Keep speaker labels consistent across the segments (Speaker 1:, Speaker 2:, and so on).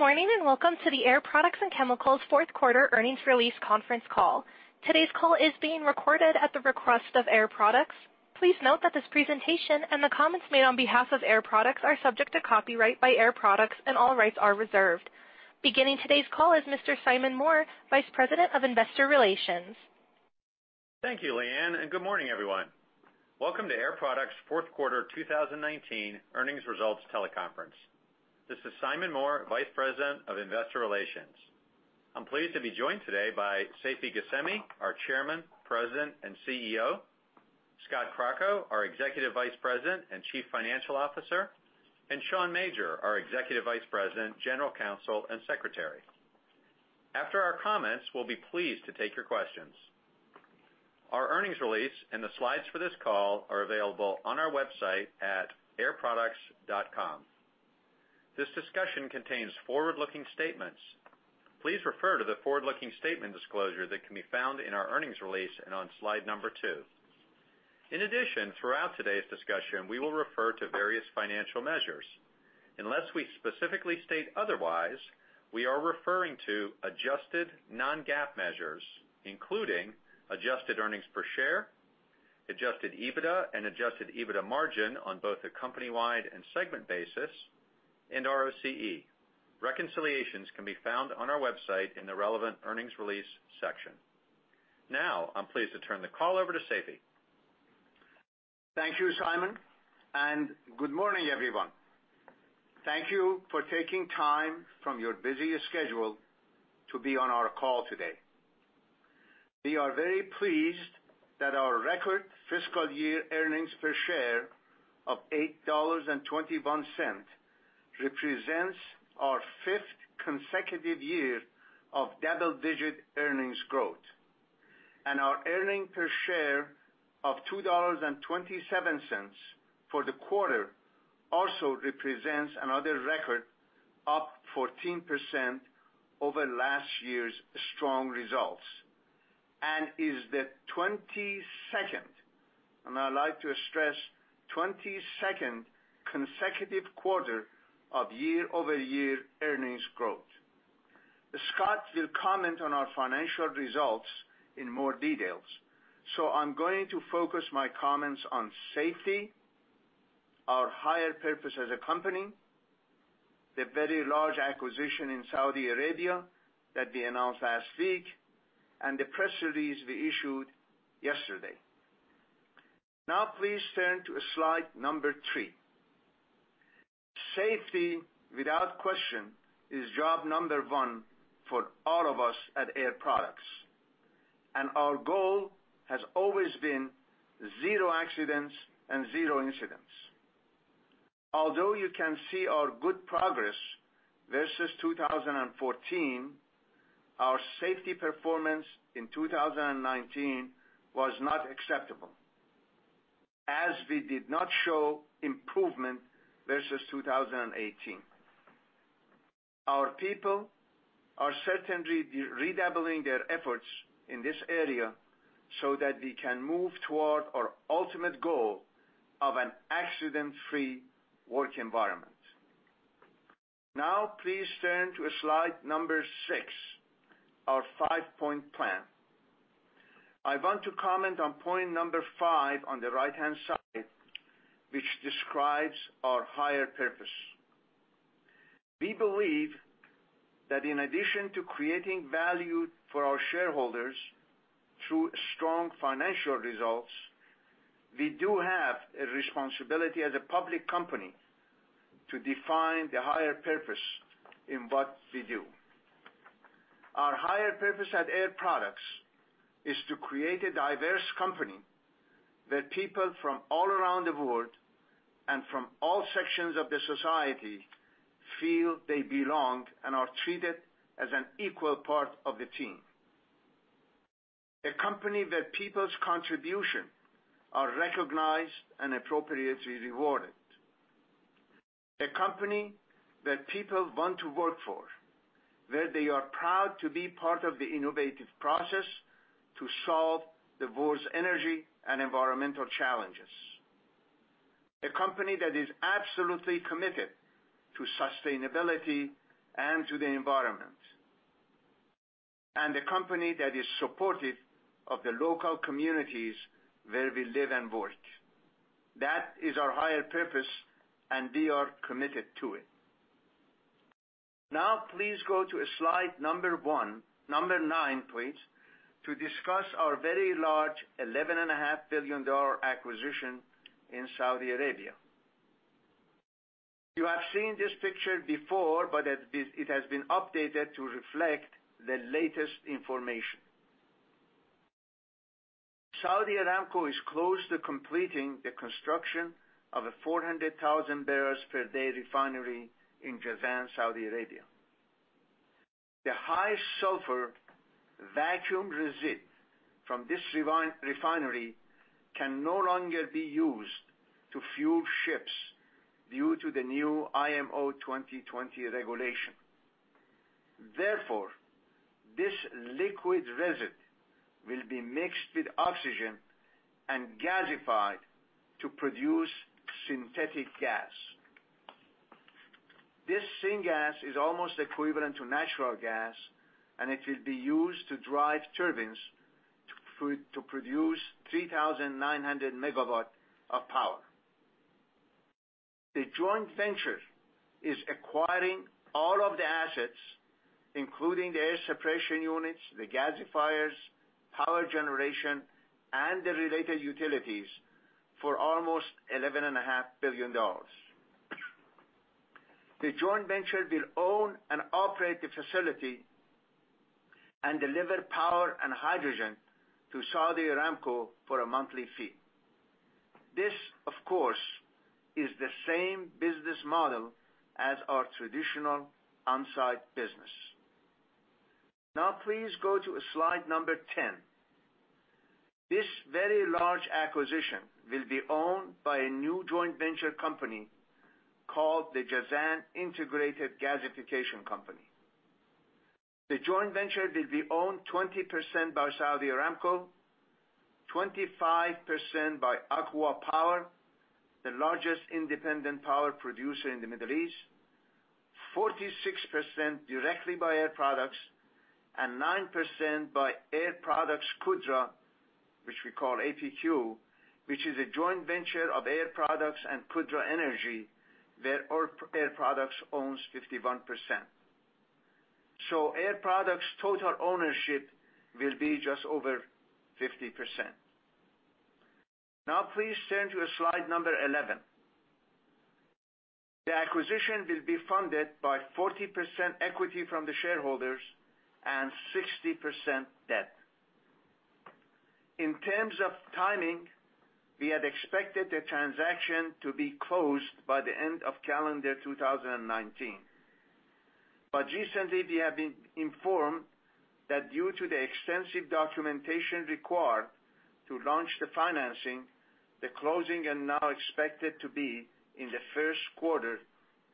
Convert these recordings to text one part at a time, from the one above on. Speaker 1: Good morning, welcome to the Air Products and Chemicals fourth quarter earnings release conference call. Today's call is being recorded at the request of Air Products. Please note that this presentation and the comments made on behalf of Air Products are subject to copyright by Air Products and all rights are reserved. Beginning today's call is Mr. Simon Moore, Vice President of Investor Relations.
Speaker 2: Thank you, Leanne, and good morning, everyone. Welcome to Air Products' fourth quarter 2019 earnings results teleconference. This is Simon Moore, Vice President of Investor Relations. I'm pleased to be joined today by Seifi Ghasemi, our Chairman, President, and CEO, Scott Crocco, our Executive Vice President and Chief Financial Officer, and Sean Major, our Executive Vice President, General Counsel, and Secretary. After our comments, we'll be pleased to take your questions. Our earnings release and the slides for this call are available on our website at airproducts.com. This discussion contains forward-looking statements. Please refer to the forward-looking statement disclosure that can be found in our earnings release and on slide number two. Throughout today's discussion, we will refer to various financial measures. Unless we specifically state otherwise, we are referring to adjusted non-GAAP measures, including adjusted earnings per share, adjusted EBITDA and adjusted EBITDA margin on both a company-wide and segment basis, and ROCE. Reconciliations can be found on our website in the relevant earnings release section. Now, I'm pleased to turn the call over to Seifi.
Speaker 3: Thank you, Simon. Good morning, everyone. Thank you for taking time from your busy schedule to be on our call today. We are very pleased that our record fiscal year earnings per share of $8.21 represents our fifth consecutive year of double-digit earnings growth, and our earnings per share of $2.27 for the quarter also represents another record, up 14% over last year's strong results. It is the 22nd, and I like to stress, 22nd consecutive quarter of year-over-year earnings growth. Scott will comment on our financial results in more detail, so I'm going to focus my comments on safety, our higher purpose as a company, the very large acquisition in Saudi Arabia that we announced last week, and the press release we issued yesterday. Now please turn to slide number three. Safety, without question, is job number one for all of us at Air Products, and our goal has always been zero accidents and zero incidents. Although you can see our good progress versus 2014, our safety performance in 2019 was not acceptable as we did not show improvement versus 2018. Our people are certainly redoubling their efforts in this area so that we can move toward our ultimate goal of an accident-free work environment. Now please turn to slide number six, our five-point plan. I want to comment on point number five on the right-hand side, which describes our higher purpose. We believe that in addition to creating value for our shareholders through strong financial results, we do have a responsibility as a public company to define the higher purpose in what we do. Our higher purpose at Air Products is to create a diverse company where people from all around the world and from all sections of the society feel they belong and are treated as an equal part of the team. A company where people's contribution are recognized and appropriately rewarded. A company that people want to work for, where they are proud to be part of the innovative process to solve the world's energy and environmental challenges. A company that is absolutely committed to sustainability and to the environment, a company that is supportive of the local communities where we live and work. That is our higher purpose, and we are committed to it. Please go to slide number nine to discuss our very large $11.5 billion acquisition in Saudi Arabia. It has been updated to reflect the latest information. Saudi Aramco is close to completing the construction of a 400,000 barrels per day refinery in Jazan, Saudi Arabia. The high sulfur vacuum resid from this refinery can no longer be used to fuel ships due to the new IMO 2020 regulation. This liquid resid will be mixed with oxygen and gasified to produce synthetic gas. This syngas is almost equivalent to natural gas, it will be used to drive turbines to produce 3,900 MW of power. The joint venture is acquiring all of the assets, including the air separation units, the gasifiers, power generation, and the related utilities for almost $11.5 billion. The joint venture will own and operate the facility and deliver power and hydrogen to Saudi Aramco for a monthly fee. This, of course, is the same business model as our traditional on-site business. Please go to slide number 10. This very large acquisition will be owned by a new joint venture company called the Jazan Integrated Gasification Company. The joint venture will be owned 20% by Saudi Aramco, 25% by ACWA Power, the largest independent power producer in the Middle East, 46% directly by Air Products, and 9% by Air Products Qudra, which we call APQ, which is a joint venture of Air Products and Qudra Energy, where Air Products owns 51%. Air Products' total ownership will be just over 50%. Please turn to slide number 11. The acquisition will be funded by 40% equity from the shareholders and 60% debt. In terms of timing, we had expected the transaction to be closed by the end of calendar 2019. Recently, we have been informed that due to the extensive documentation required to launch the financing, the closing is now expected to be in the first quarter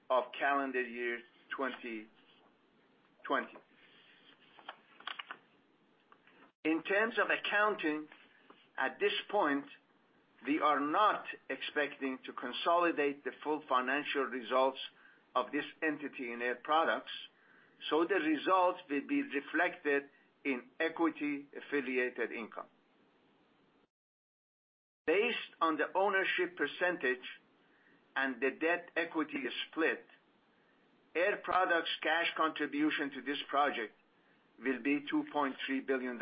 Speaker 3: of calendar year 2020. In terms of accounting, at this point, we are not expecting to consolidate the full financial results of this entity in Air Products, so the results will be reflected in equity affiliated income. Based on the ownership percentage and the debt equity split, Air Products' cash contribution to this project will be $2.3 billion.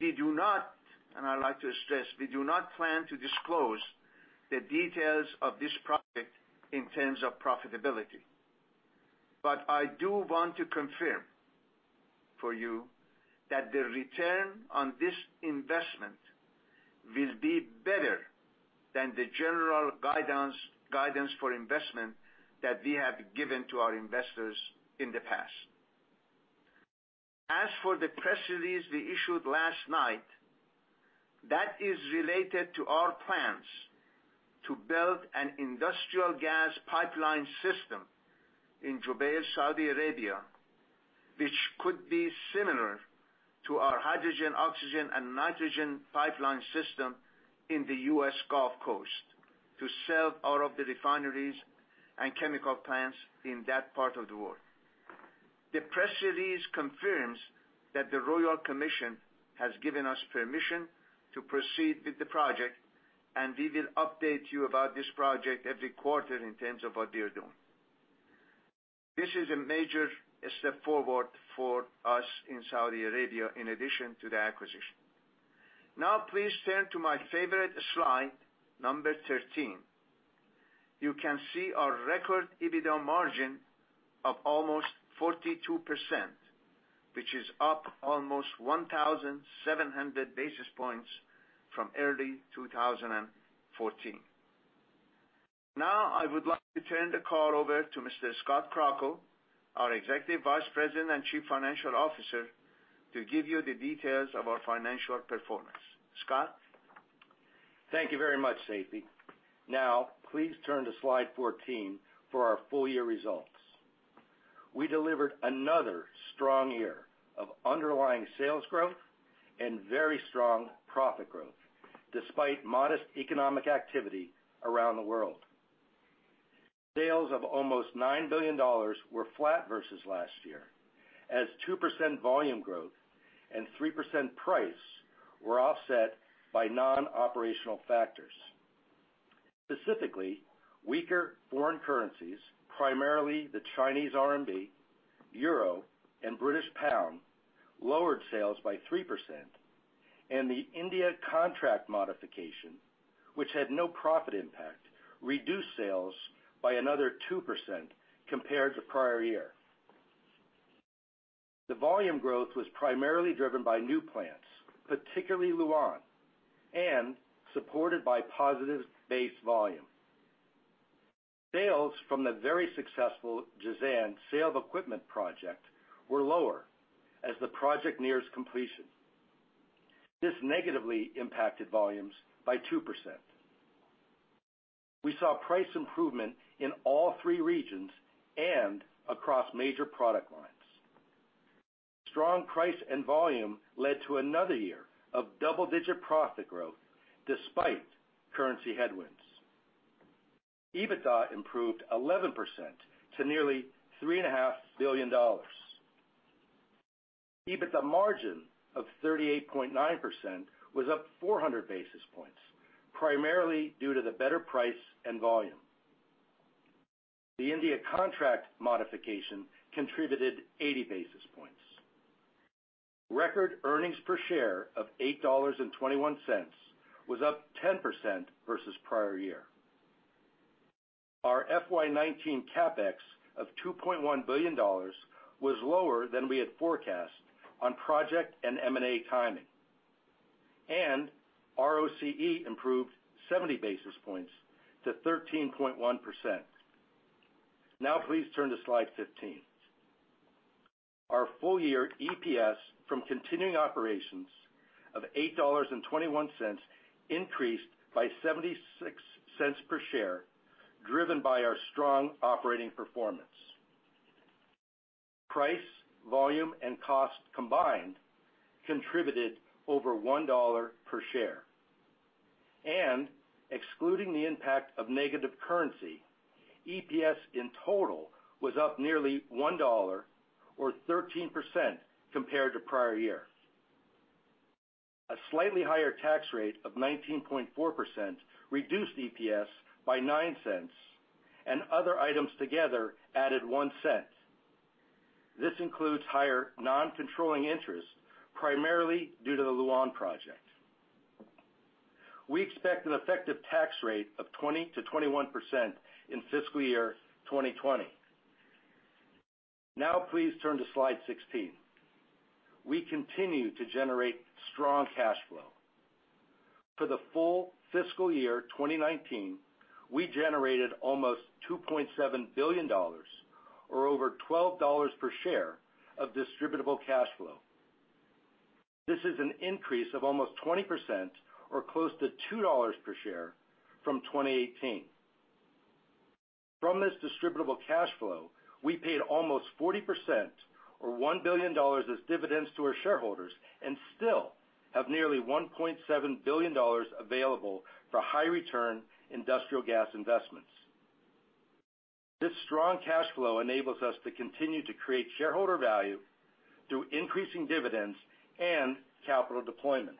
Speaker 3: We do not, and I like to stress, we do not plan to disclose the details of this project in terms of profitability. I do want to confirm for you that the return on this investment will be better than the general guidance for investment that we have given to our investors in the past. As for the press release we issued last night, that is related to our plans to build an industrial gas pipeline system in Jubail, Saudi Arabia, which could be similar to our hydrogen, oxygen, and nitrogen pipeline system in the U.S. Gulf Coast to serve all of the refineries and chemical plants in that part of the world. The press release confirms that the Royal Commission has given us permission to proceed with the project. We will update you about this project every quarter in terms of what we are doing. This is a major step forward for us in Saudi Arabia in addition to the acquisition. Now please turn to my favorite slide, number 13. You can see our record EBITDA margin of almost 42%, which is up almost 1,700 basis points from early 2014. I would like to turn the call over to Mr. Scott Crocco, our Executive Vice President and Chief Financial Officer, to give you the details of our financial performance. Scott?
Speaker 4: Thank you very much, Seifi. Please turn to slide 14 for our full-year results. We delivered another strong year of underlying sales growth and very strong profit growth, despite modest economic activity around the world. Sales of almost $9 billion were flat versus last year, as 2% volume growth and 3% price were offset by non-operational factors. Specifically, weaker foreign currencies, primarily the Chinese RMB, euro, and British pound, lowered sales by 3%, and the India contract modification, which had no profit impact, reduced sales by another 2% compared to prior year. The volume growth was primarily driven by new plants, particularly Lu'An, and supported by positive base volume. Sales from the very successful Jazan sale of equipment project were lower as the project nears completion. This negatively impacted volumes by 2%. We saw price improvement in all three regions and across major product lines. Strong price and volume led to another year of double-digit profit growth despite currency headwinds. EBITDA improved 11% to nearly $3.5 billion. EBITDA margin of 38.9% was up 400 basis points, primarily due to the better price and volume. The India contract modification contributed 80 basis points. Record earnings per share of $8.21 was up 10% versus prior year. Our FY 2019 CapEx of $2.1 billion was lower than we had forecast on project and M&A timing. ROCE improved 70 basis points to 13.1%. Now please turn to slide 15. Our full year EPS from continuing operations of $8.21 increased by $0.76 per share, driven by our strong operating performance. Price, volume, and cost combined contributed over $1 per share. Excluding the impact of negative currency, EPS in total was up nearly $1, or 13% compared to prior year. A slightly higher tax rate of 19.4% reduced EPS by $0.09, and other items together added $0.01. This includes higher non-controlling interests, primarily due to the Lu'An project. We expect an effective tax rate of 20%-21% in fiscal year 2020. Now please turn to slide 16. We continue to generate strong cash flow. For the full fiscal year 2019, we generated almost $2.7 billion or over $12 per share of distributable cash flow. This is an increase of almost 20% or close to $2 per share from 2018. From this distributable cash flow, we paid almost 40%, or $1 billion as dividends to our shareholders and still have nearly $1.7 billion available for high return industrial gas investments. This strong cash flow enables us to continue to create shareholder value through increasing dividends and capital deployment.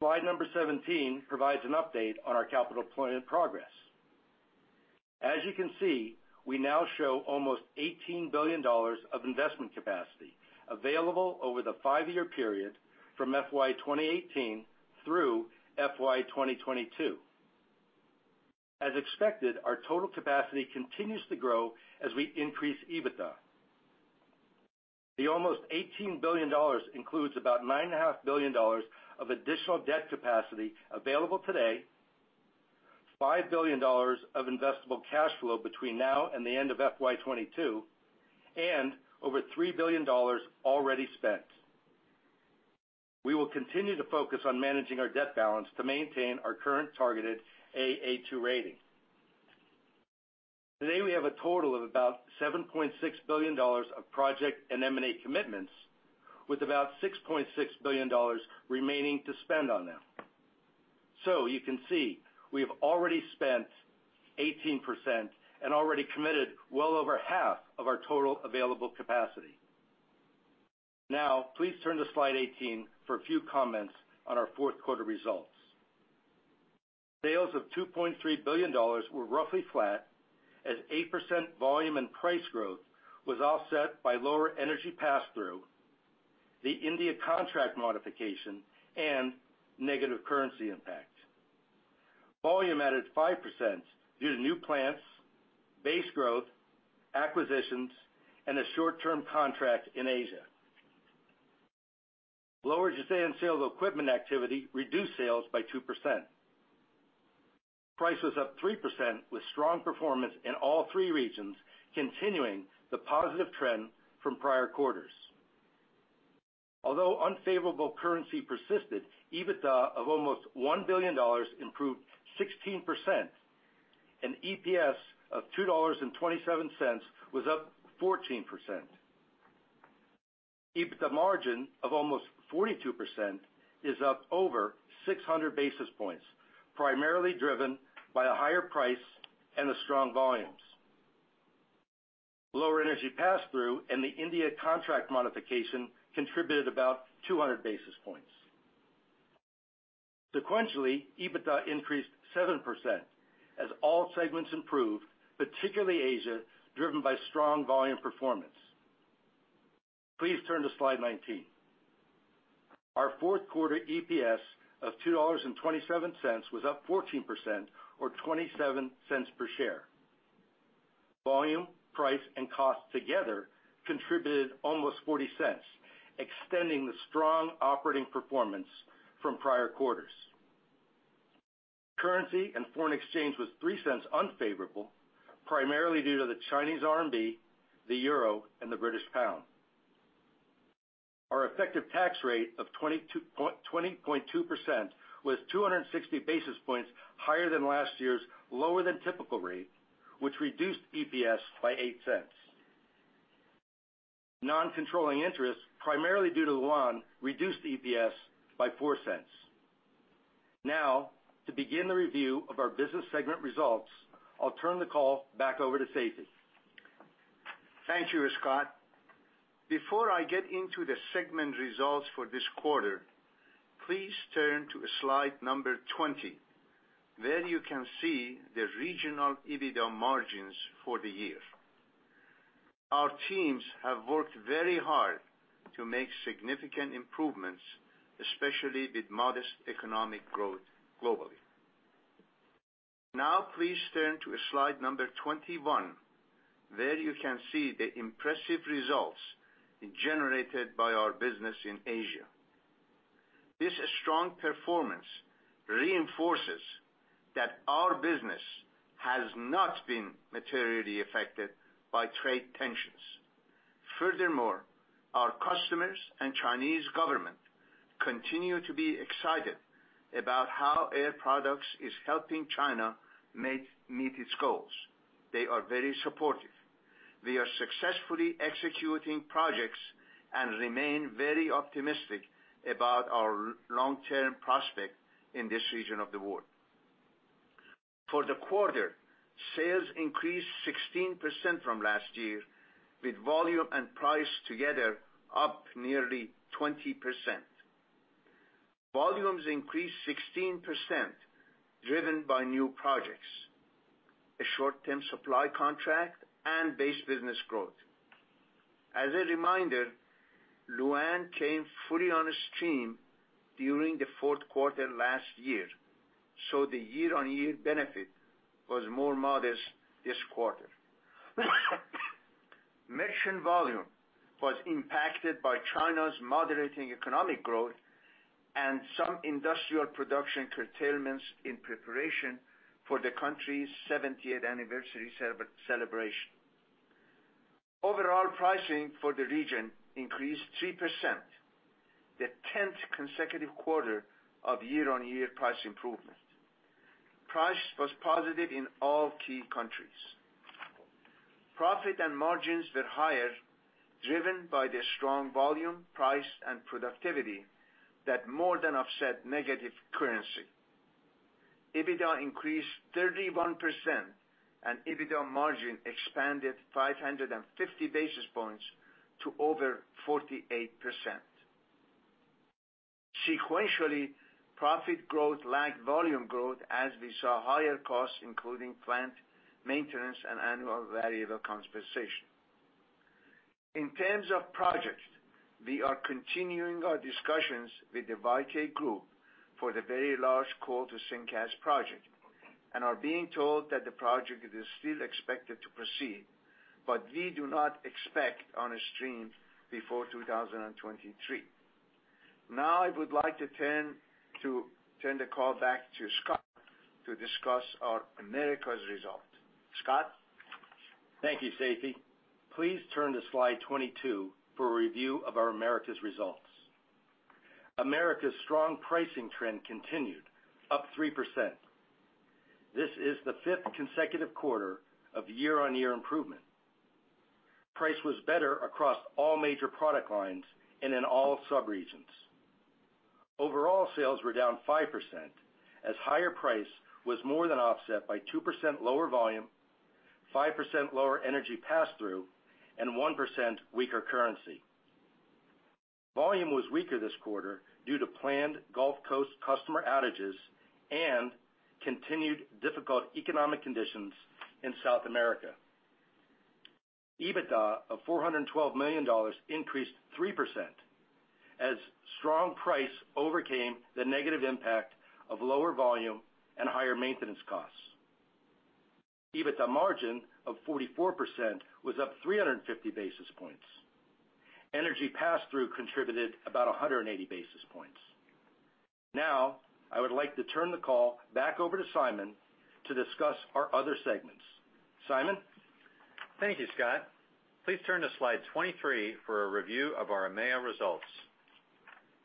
Speaker 4: Slide number 17 provides an update on our capital deployment progress. As you can see, we now show almost $18 billion of investment capacity available over the five-year period from FY 2018 through FY 2022. As expected, our total capacity continues to grow as we increase EBITDA. The almost $18 billion includes about $9.5 billion of additional debt capacity available today, $5 billion of investable cash flow between now and the end of FY 2022, and over $3 billion already spent. We will continue to focus on managing our debt balance to maintain our current targeted Aa2 rating. Today, we have a total of about $7.6 billion of project and M&A commitments with about $6.6 billion remaining to spend on them. You can see we have already spent 18% and already committed well over half of our total available capacity. Now, please turn to slide 18 for a few comments on our fourth quarter results. Sales of $2.3 billion were roughly flat as 8% volume and price growth was offset by lower energy pass-through, the India contract modification, and negative currency impact. Volume added 5% due to new plants, base growth, acquisitions, and a short-term contract in Asia. Lower sustained sales equipment activity reduced sales by 2%. Price was up 3% with strong performance in all three regions, continuing the positive trend from prior quarters. Although unfavorable currency persisted, EBITDA of almost $1 billion improved 16%, and EPS of $2.27 was up 14%. EBITDA margin of almost 42% is up over 600 basis points, primarily driven by a higher price and the strong volumes. Lower energy pass-through and the India contract modification contributed about 200 basis points. Sequentially, EBITDA increased 7% as all segments improved, particularly Asia, driven by strong volume performance. Please turn to slide 19. Our fourth quarter EPS of $2.27 was up 14%, or $0.27 per share. Volume, price, and cost together contributed almost $0.40, extending the strong operating performance from prior quarters. Currency and foreign exchange was $0.03 unfavorable, primarily due to the Chinese RMB, the euro, and the British pound. Our effective tax rate of 20.2% was 260 basis points higher than last year's lower than typical rate, which reduced EPS by $0.08. Non-controlling interest, primarily due to Lu'An, reduced EPS by $0.04. Now, to begin the review of our business segment results, I'll turn the call back over to Seifi.
Speaker 3: Thank you, Scott. Before I get into the segment results for this quarter, please turn to slide number 20, where you can see the regional EBITDA margins for the year. Our teams have worked very hard to make significant improvements, especially with modest economic growth globally. Please turn to slide number 21. There you can see the impressive results generated by our business in Asia. This strong performance reinforces that our business has not been materially affected by trade tensions. Furthermore, our customers and Chinese government continue to be excited about how Air Products is helping China meet its goals. They are very supportive. We are successfully executing projects and remain very optimistic about our long-term prospect in this region of the world. For the quarter, sales increased 16% from last year, with volume and price together up nearly 20%. Volumes increased 16%, driven by new projects, a short-term supply contract, and base business growth. As a reminder, Lu'An came fully on stream during the fourth quarter last year, so the year-on-year benefit was more modest this quarter. Merchant volume was impacted by China's moderating economic growth and some industrial production curtailments in preparation for the country's 70th anniversary celebration. Overall pricing for the region increased 3%, the tenth consecutive quarter of year-on-year price improvement. Price was positive in all key countries. Profit and margins were higher, driven by the strong volume, price, and productivity that more than offset negative currency. EBITDA increased 31%, and EBITDA margin expanded 550 basis points to over 48%. Sequentially, profit growth lagged volume growth as we saw higher costs, including plant maintenance and annual variable compensation. In terms of projects, we are continuing our discussions with the Yankuang Group for the very large coal-to-syngas project and are being told that the project is still expected to proceed, but we do not expect on a stream before 2023. Now I would like to turn the call back to Scott to discuss our Americas result. Scott?
Speaker 4: Thank you, Seifi. Please turn to slide 22 for a review of our Americas results. Americas' strong pricing trend continued up 3%. This is the fifth consecutive quarter of year-on-year improvement. Price was better across all major product lines and in all subregions. Overall sales were down 5%, as higher price was more than offset by 2% lower volume, 5% lower energy pass-through, and 1% weaker currency. Volume was weaker this quarter due to planned Gulf Coast customer outages and continued difficult economic conditions in South America. EBITDA of $412 million increased 3% as strong price overcame the negative impact of lower volume and higher maintenance costs. EBITDA margin of 44% was up 350 basis points. Energy pass-through contributed about 180 basis points. I would like to turn the call back over to Simon to discuss our other segments. Simon?
Speaker 2: Thank you, Scott. Please turn to slide 23 for a review of our EMEA results.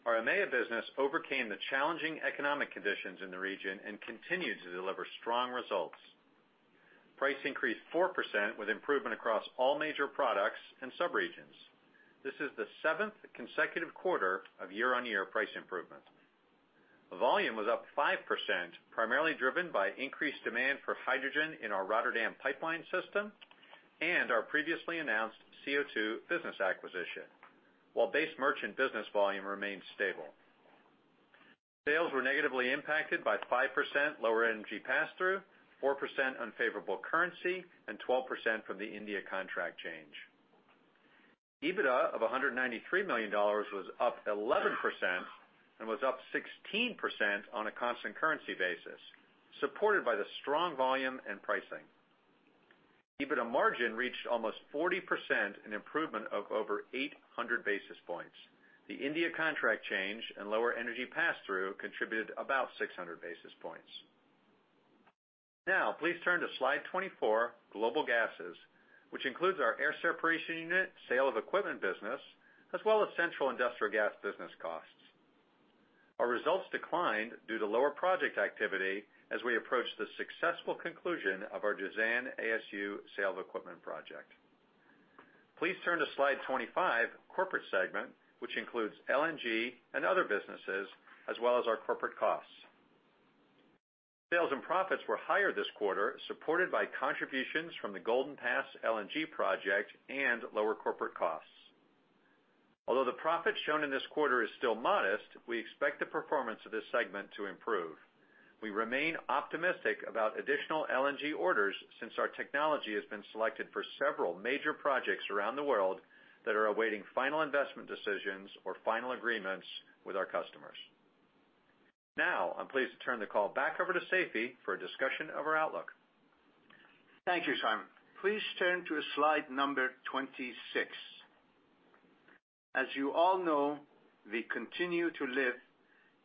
Speaker 2: Our EMEA business overcame the challenging economic conditions in the region and continued to deliver strong results. Price increased 4% with improvement across all major products and subregions. This is the seventh consecutive quarter of year-on-year price improvement. Volume was up 5%, primarily driven by increased demand for hydrogen in our Rotterdam pipeline system and our previously announced CO2 business acquisition. While base merchant business volume remained stable. Sales were negatively impacted by 5% lower energy pass-through, 4% unfavorable currency, and 12% from the India contract change. EBITDA of $193 million was up 11% and was up 16% on a constant currency basis, supported by the strong volume and pricing. EBITDA margin reached almost 40%, an improvement of over 800 basis points. The India contract change and lower energy pass-through contributed about 600 basis points. Now please turn to slide 24, Global Gases, which includes our air separation unit, sale of equipment business, as well as central industrial gas business costs. Our results declined due to lower project activity as we approach the successful conclusion of our Jazan ASU sale of equipment project. Please turn to slide 25, Corporate Segment, which includes LNG and other businesses, as well as our corporate costs. Sales and profits were higher this quarter, supported by contributions from the Golden Pass LNG project and lower corporate costs. Although the profit shown in this quarter is still modest, we expect the performance of this segment to improve. We remain optimistic about additional LNG orders since our technology has been selected for several major projects around the world that are awaiting final investment decisions or final agreements with our customers. Now, I'm pleased to turn the call back over to Seifi for a discussion of our outlook.
Speaker 3: Thank you, Simon. Please turn to slide number 26. As you all know, we continue to live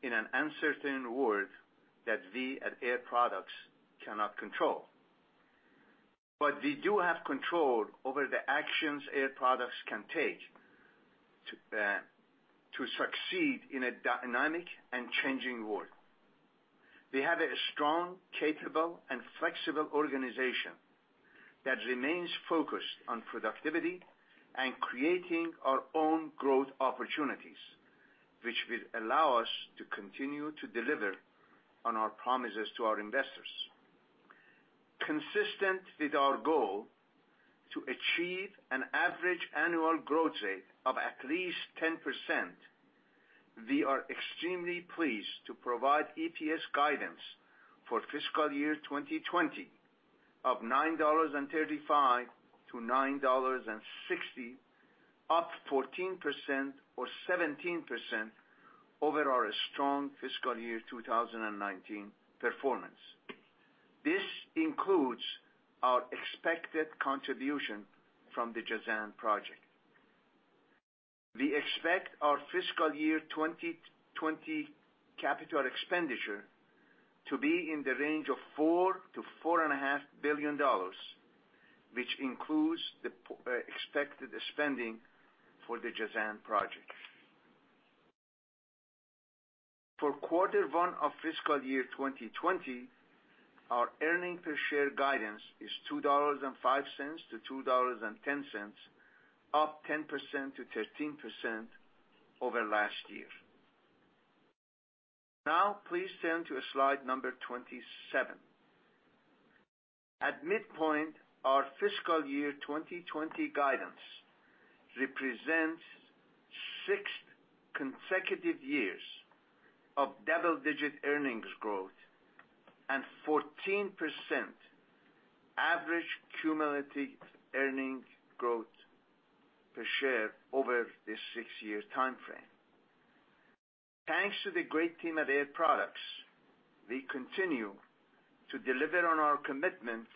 Speaker 3: in an uncertain world that we at Air Products cannot control. We do have control over the actions Air Products can take to succeed in a dynamic and changing world. We have a strong, capable and flexible organization that remains focused on productivity and creating our own growth opportunities, which will allow us to continue to deliver on our promises to our investors. Consistent with our goal to achieve an average annual growth rate of at least 10%, we are extremely pleased to provide EPS guidance for fiscal year 2020 of $9.35 to $9.60, up 14% or 17% over our strong fiscal year 2019 performance. This includes our expected contribution from the Jazan project. We expect our fiscal year 2020 capital expenditure to be in the range of $4 billion to $4.5 billion, which includes the expected spending for the Jazan project. For quarter one of fiscal year 2020, our earnings per share guidance is $2.05 to $2.10, up 10% to 13% over last year. Please turn to slide number 27. At midpoint, our fiscal year 2020 guidance represents six consecutive years of double-digit earnings growth and 14% average cumulative earnings growth per share over this six-year timeframe. Thanks to the great team at Air Products, we continue to deliver on our commitment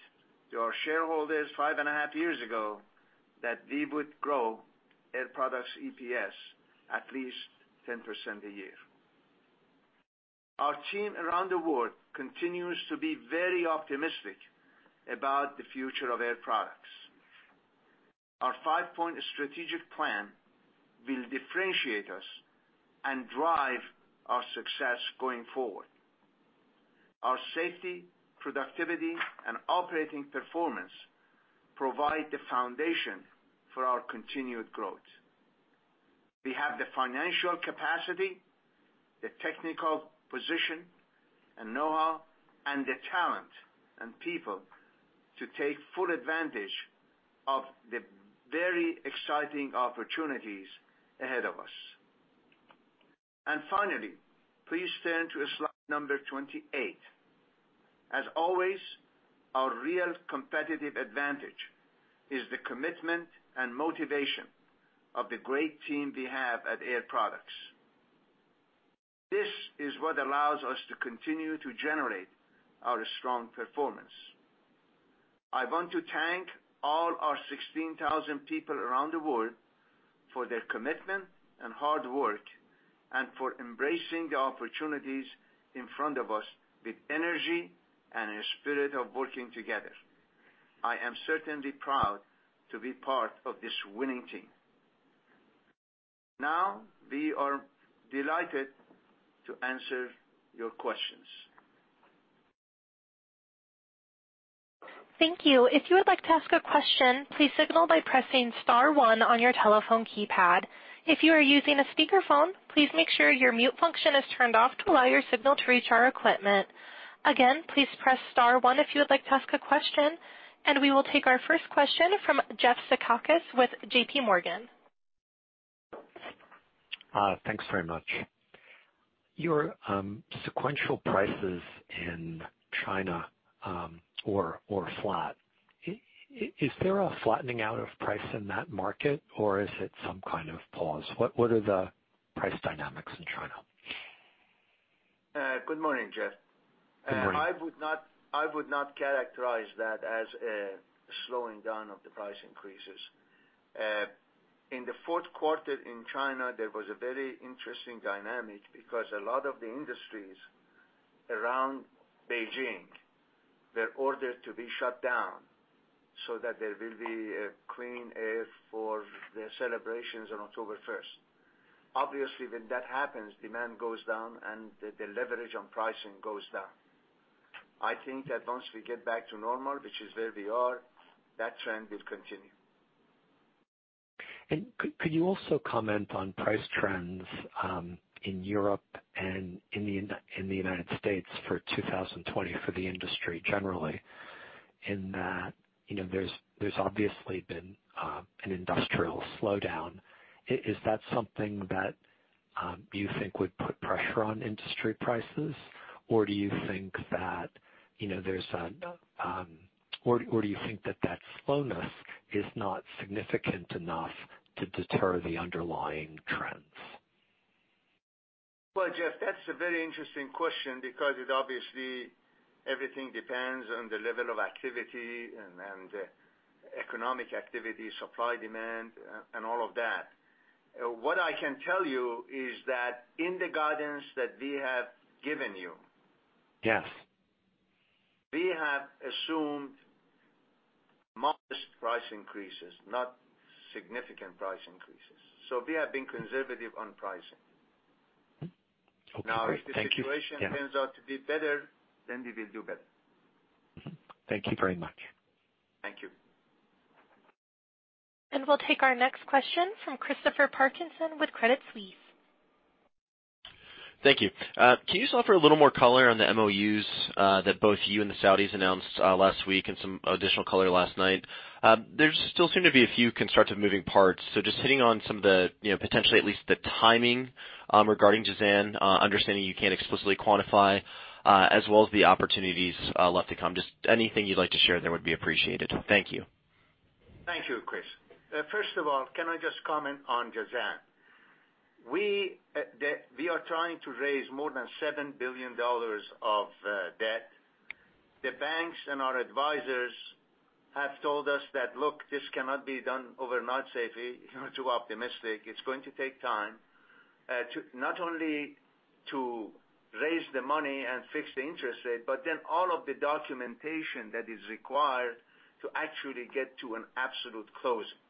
Speaker 3: to our shareholders five and a half years ago that we would grow Air Products EPS at least 10% a year. Our team around the world continues to be very optimistic about the future of Air Products. Our five-point strategic plan will differentiate us and drive our success going forward. Our safety, productivity, and operating performance provide the foundation for our continued growth. We have the financial capacity, the technical position and knowhow, and the talent and people to take full advantage of the very exciting opportunities ahead of us. Finally, please turn to slide number 28. As always, our real competitive advantage is the commitment and motivation of the great team we have at Air Products. This is what allows us to continue to generate our strong performance. I want to thank all our 16,000 people around the world for their commitment and hard work, and for embracing the opportunities in front of us with energy and a spirit of working together. I am certainly proud to be part of this winning team. We are delighted to answer your questions.
Speaker 1: Thank you. If you would like to ask a question, please signal by pressing star one on your telephone keypad. If you are using a speakerphone, please make sure your mute function is turned off to allow your signal to reach our equipment. Again, please press star one if you would like to ask a question, and we will take our first question from Jeff Zekauskas with JPMorgan.
Speaker 5: Thanks very much. Your sequential prices in China were flat. Is there a flattening out of price in that market or is it some kind of pause? What are the price dynamics in China?
Speaker 3: Good morning, Jeff.
Speaker 5: Good morning.
Speaker 3: I would not characterize that as a slowing down of the price increases. In the fourth quarter in China, there was a very interesting dynamic because a lot of the industries around Beijing were ordered to be shut down so that there will be clean air for the celebrations on October 1st. Obviously, when that happens, demand goes down and the leverage on pricing goes down. I think that once we get back to normal, which is where we are, that trend will continue.
Speaker 5: Could you also comment on price trends in Europe and in the United States for 2020 for the industry generally, in that there's obviously been an industrial slowdown. Is that something that you think would put pressure on industry prices? Or do you think that slowness is not significant enough to deter the underlying trends?
Speaker 3: Well, Jeff, that's a very interesting question because, obviously, everything depends on the level of activity, and economic activity, supply, demand, and all of that. What I can tell you is that in the guidance that we have given you.
Speaker 5: Yes
Speaker 3: we have assumed modest price increases, not significant price increases. We have been conservative on pricing.
Speaker 5: Okay. Great. Thank you. Yeah.
Speaker 3: Now, if the situation turns out to be better, then we will do better.
Speaker 5: Thank you very much.
Speaker 3: Thank you.
Speaker 1: We'll take our next question from Christopher Parkinson with Credit Suisse.
Speaker 6: Thank you. Can you just offer a little more color on the MOUs that both you and the Saudis announced last week and some additional color last night? There still seem to be a few constructive moving parts, just hitting on some of the, potentially at least the timing regarding Jazan, understanding you can't explicitly quantify, as well as the opportunities left to come. Just anything you'd like to share there would be appreciated. Thank you.
Speaker 3: Thank you, Chris. Can I just comment on Jazan? We are trying to raise more than $7 billion of debt. The banks and our advisors have told us that, look this cannot be done overnight safely. Too optimistic. It's going to take time, not only to raise the money and fix the interest rate, but then all of the documentation that is required to actually get to an absolute closing.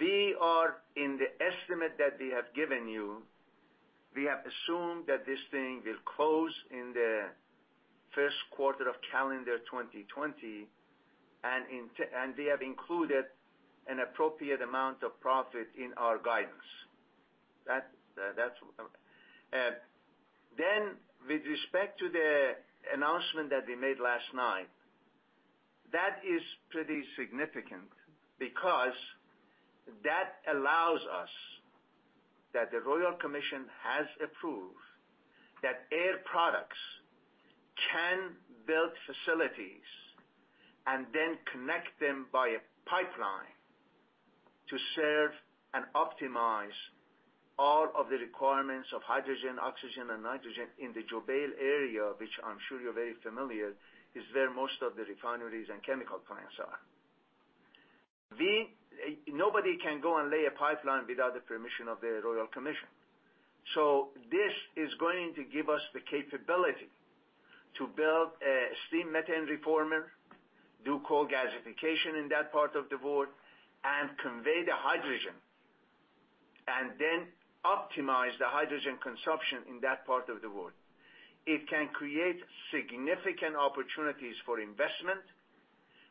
Speaker 3: We are in the estimate that we have given you. We have assumed that this thing will close in the first quarter of calendar 2020, and we have included an appropriate amount of profit in our guidance. With respect to the announcement that we made last night, that is pretty significant because that allows us that the Royal Commission has approved that Air Products can build facilities and then connect them by a pipeline to serve and optimize all of the requirements of hydrogen, oxygen, and nitrogen in the Jubail area, which I'm sure you're very familiar, is where most of the refineries and chemical plants are. Nobody can go and lay a pipeline without the permission of the Royal Commission. This is going to give us the capability to build a steam methane reformer, do coal gasification in that part of the world, and convey the hydrogen, and then optimize the hydrogen consumption in that part of the world. It can create significant opportunities for investment,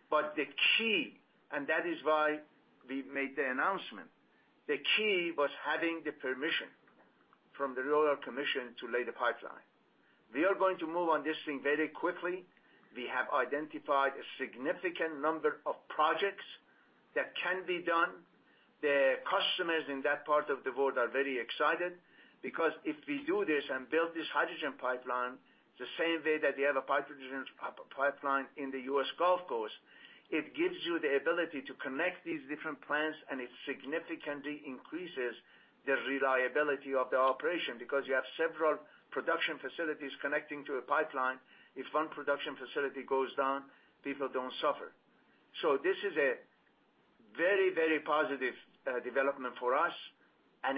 Speaker 3: the key, and that is why we made the announcement, the key was having the permission from the Royal Commission to lay the pipeline. We are going to move on this thing very quickly. We have identified a significant number of projects that can be done. The customers in that part of the world are very excited because if we do this and build this hydrogen pipeline the same way that we have a hydrogen pipeline in the U.S. Gulf Coast, it gives you the ability to connect these different plants, and it significantly increases the reliability of the operation because you have several production facilities connecting to a pipeline. If one production facility goes down, people don't suffer. This is a very positive development for us,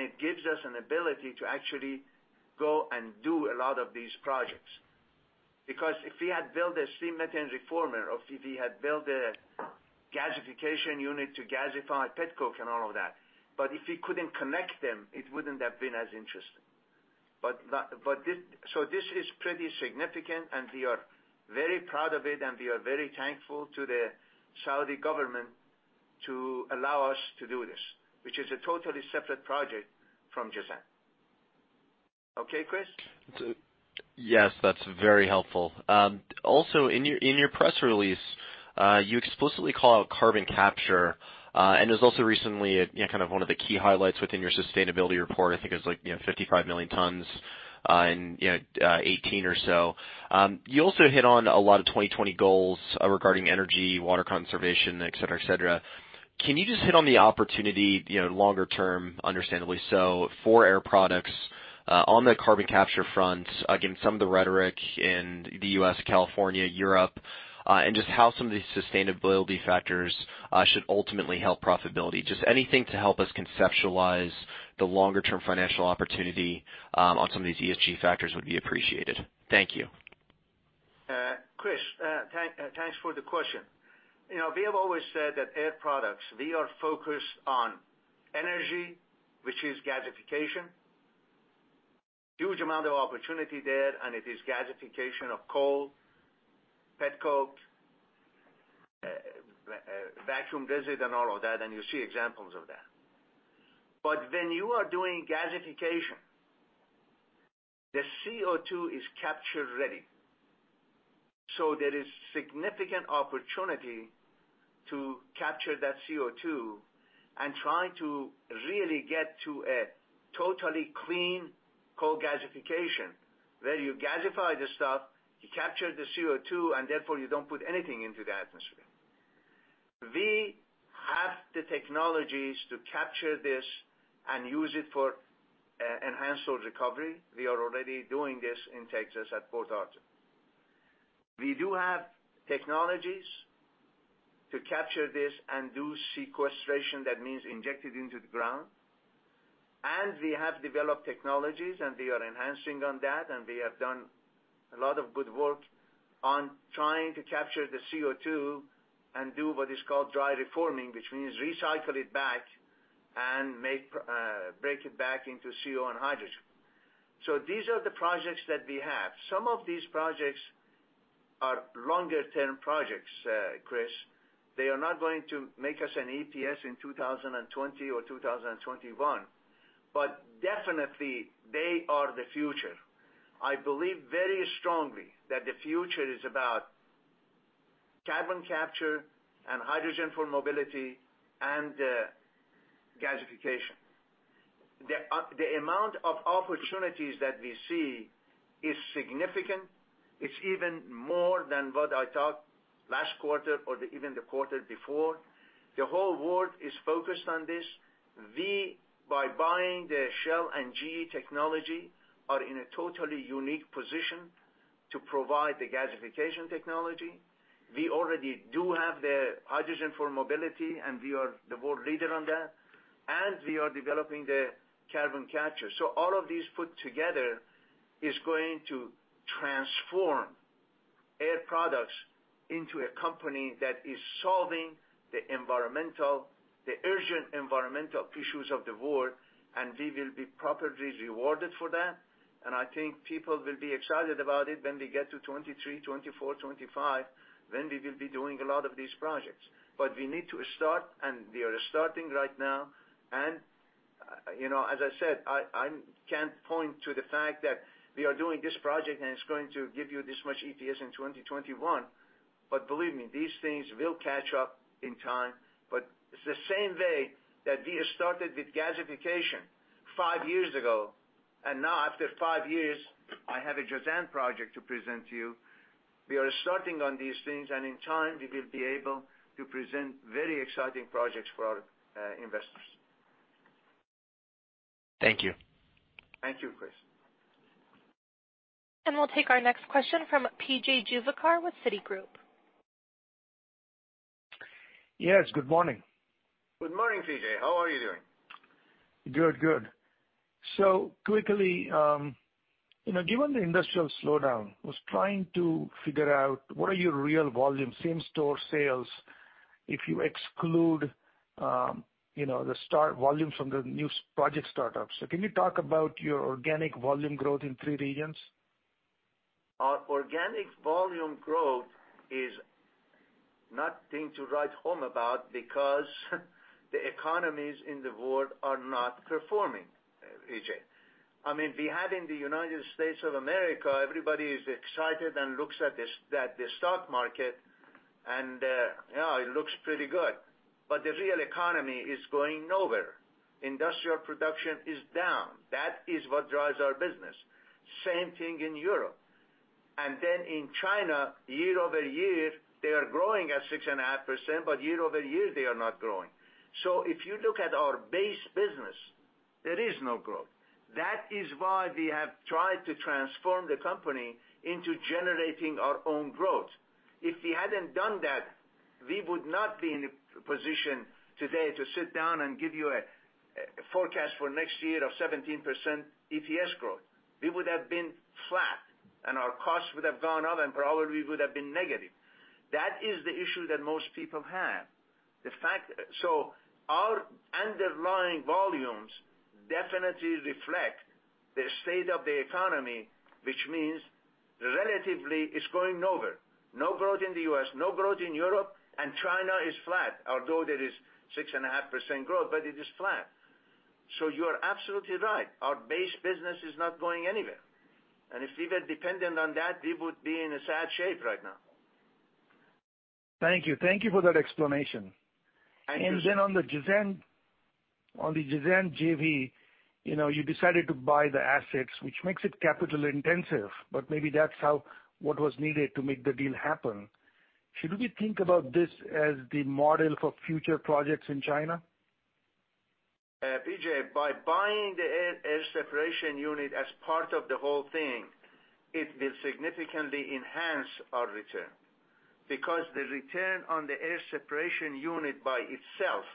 Speaker 3: it gives us an ability to actually go and do a lot of these projects. If we had built a steam methane reformer, or if we had built a gasification unit to gasify petcoke and all of that, if we couldn't connect them, it wouldn't have been as interesting. This is pretty significant, we are very proud of it, we are very thankful to the Saudi government to allow us to do this, which is a totally separate project from Jazan. Okay, Chris?
Speaker 6: Yes, that's very helpful. In your press release, you explicitly call out carbon capture, and it was also recently one of the key highlights within your sustainability report. I think it was like 55 million tons in 2018 or so. You also hit on a lot of 2020 goals regarding energy, water conservation, et cetera. Can you just hit on the opportunity, longer term, understandably so, for Air Products on the carbon capture front, again, some of the rhetoric in the U.S., California, Europe, and just how some of these sustainability factors should ultimately help profitability. Anything to help us conceptualize the longer-term financial opportunity on some of these ESG factors would be appreciated. Thank you.
Speaker 3: Chris, thanks for the question. We have always said that Air Products, we are focused on energy, which is gasification. Huge amount of opportunity there, it is gasification of coal, petcoke, vacuum resid and all of that, and you see examples of that. When you are doing gasification, the CO2 is capture-ready. There is significant opportunity to capture that CO2 and try to really get to a totally clean coal gasification, where you gasify the stuff, you capture the CO2, and therefore you don't put anything into the atmosphere. We have the technologies to capture this and use it for enhanced oil recovery. We are already doing this in Texas at Port Arthur. We do have technologies to capture this and do sequestration, that means inject it into the ground. We have developed technologies, and we are enhancing on that, and we have done a lot of good work on trying to capture the CO2 and do what is called dry reforming, which means recycle it back and break it back into CO and hydrogen. These are the projects that we have. Some of these projects are longer-term projects, Chris. They are not going to make us an EPS in 2020 or 2021. Definitely they are the future. I believe very strongly that the future is about carbon capture and hydrogen for mobility and gasification. The amount of opportunities that we see is significant. It's even more than what I thought last quarter or even the quarter before. The whole world is focused on this. We, by buying the Shell and GE technology, are in a totally unique position to provide the gasification technology. We already do have the hydrogen for mobility, and we are the world leader on that. We are developing the carbon capture. All of these put together is going to transform Air Products into a company that is solving the urgent environmental issues of the world, and we will be properly rewarded for that. I think people will be excited about it when we get to 2023, 2024, 2025, when we will be doing a lot of these projects. We need to start, and we are starting right now. As I said, I can't point to the fact that we are doing this project and it's going to give you this much EPS in 2021. Believe me, these things will catch up in time. It's the same way that we started with gasification five years ago, and now after five years, I have a Jazan project to present to you. We are starting on these things, and in time, we will be able to present very exciting projects for our investors.
Speaker 6: Thank you.
Speaker 3: Thank you, Chris.
Speaker 1: We'll take our next question from P.J. Juvekar with Citigroup.
Speaker 7: Yes, good morning.
Speaker 3: Good morning, P.J. How are you doing?
Speaker 7: Good. Quickly, given the industrial slowdown, I was trying to figure out what are your real volumes, same store sales, if you exclude the volumes from the new project startups. Can you talk about your organic volume growth in three regions?
Speaker 3: Our organic volume growth is nothing to write home about because the economies in the world are not performing, P.J. We had in the United States of America, everybody is excited and looks at the stock market. It looks pretty good. The real economy is going nowhere. Industrial production is down. That is what drives our business. Same thing in Europe. In China, year-over-year, they are growing at 6.5%. Year-over-year, they are not growing. If you look at our base business, there is no growth. That is why we have tried to transform the company into generating our own growth. If we hadn't done that, we would not be in a position today to sit down and give you a forecast for next year of 17% EPS growth. We would have been flat, our costs would have gone up and probably would have been negative. That is the issue that most people have. Our underlying volumes definitely reflect the state of the economy, which means relatively it's going nowhere. No growth in the U.S., no growth in Europe, China is flat, although there is 6.5% growth, it is flat. You are absolutely right. Our base business is not going anywhere. If we were dependent on that, we would be in a sad shape right now.
Speaker 7: Thank you. Thank you for that explanation.
Speaker 3: Thank you.
Speaker 7: On the Jazan JV, you decided to buy the assets, which makes it capital intensive, but maybe that's what was needed to make the deal happen. Should we think about this as the model for future projects in China?
Speaker 3: P.J. by buying the air separation unit as part of the whole thing, it will significantly enhance our return. The return on the air separation unit by itself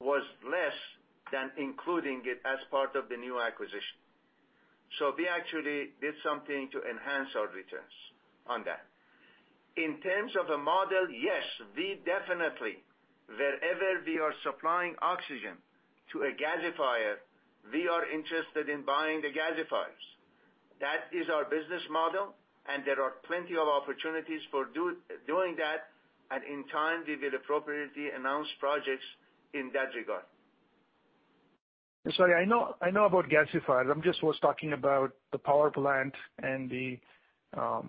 Speaker 3: was less than including it as part of the new acquisition. We actually did something to enhance our returns on that. In terms of a model, yes, we definitely, wherever we are supplying oxygen to a gasifier, we are interested in buying the gasifiers. That is our business model, and there are plenty of opportunities for doing that, and in time, we will appropriately announce projects in that regard.
Speaker 7: Sorry, I know about gasifiers. I just was talking about the power plant and the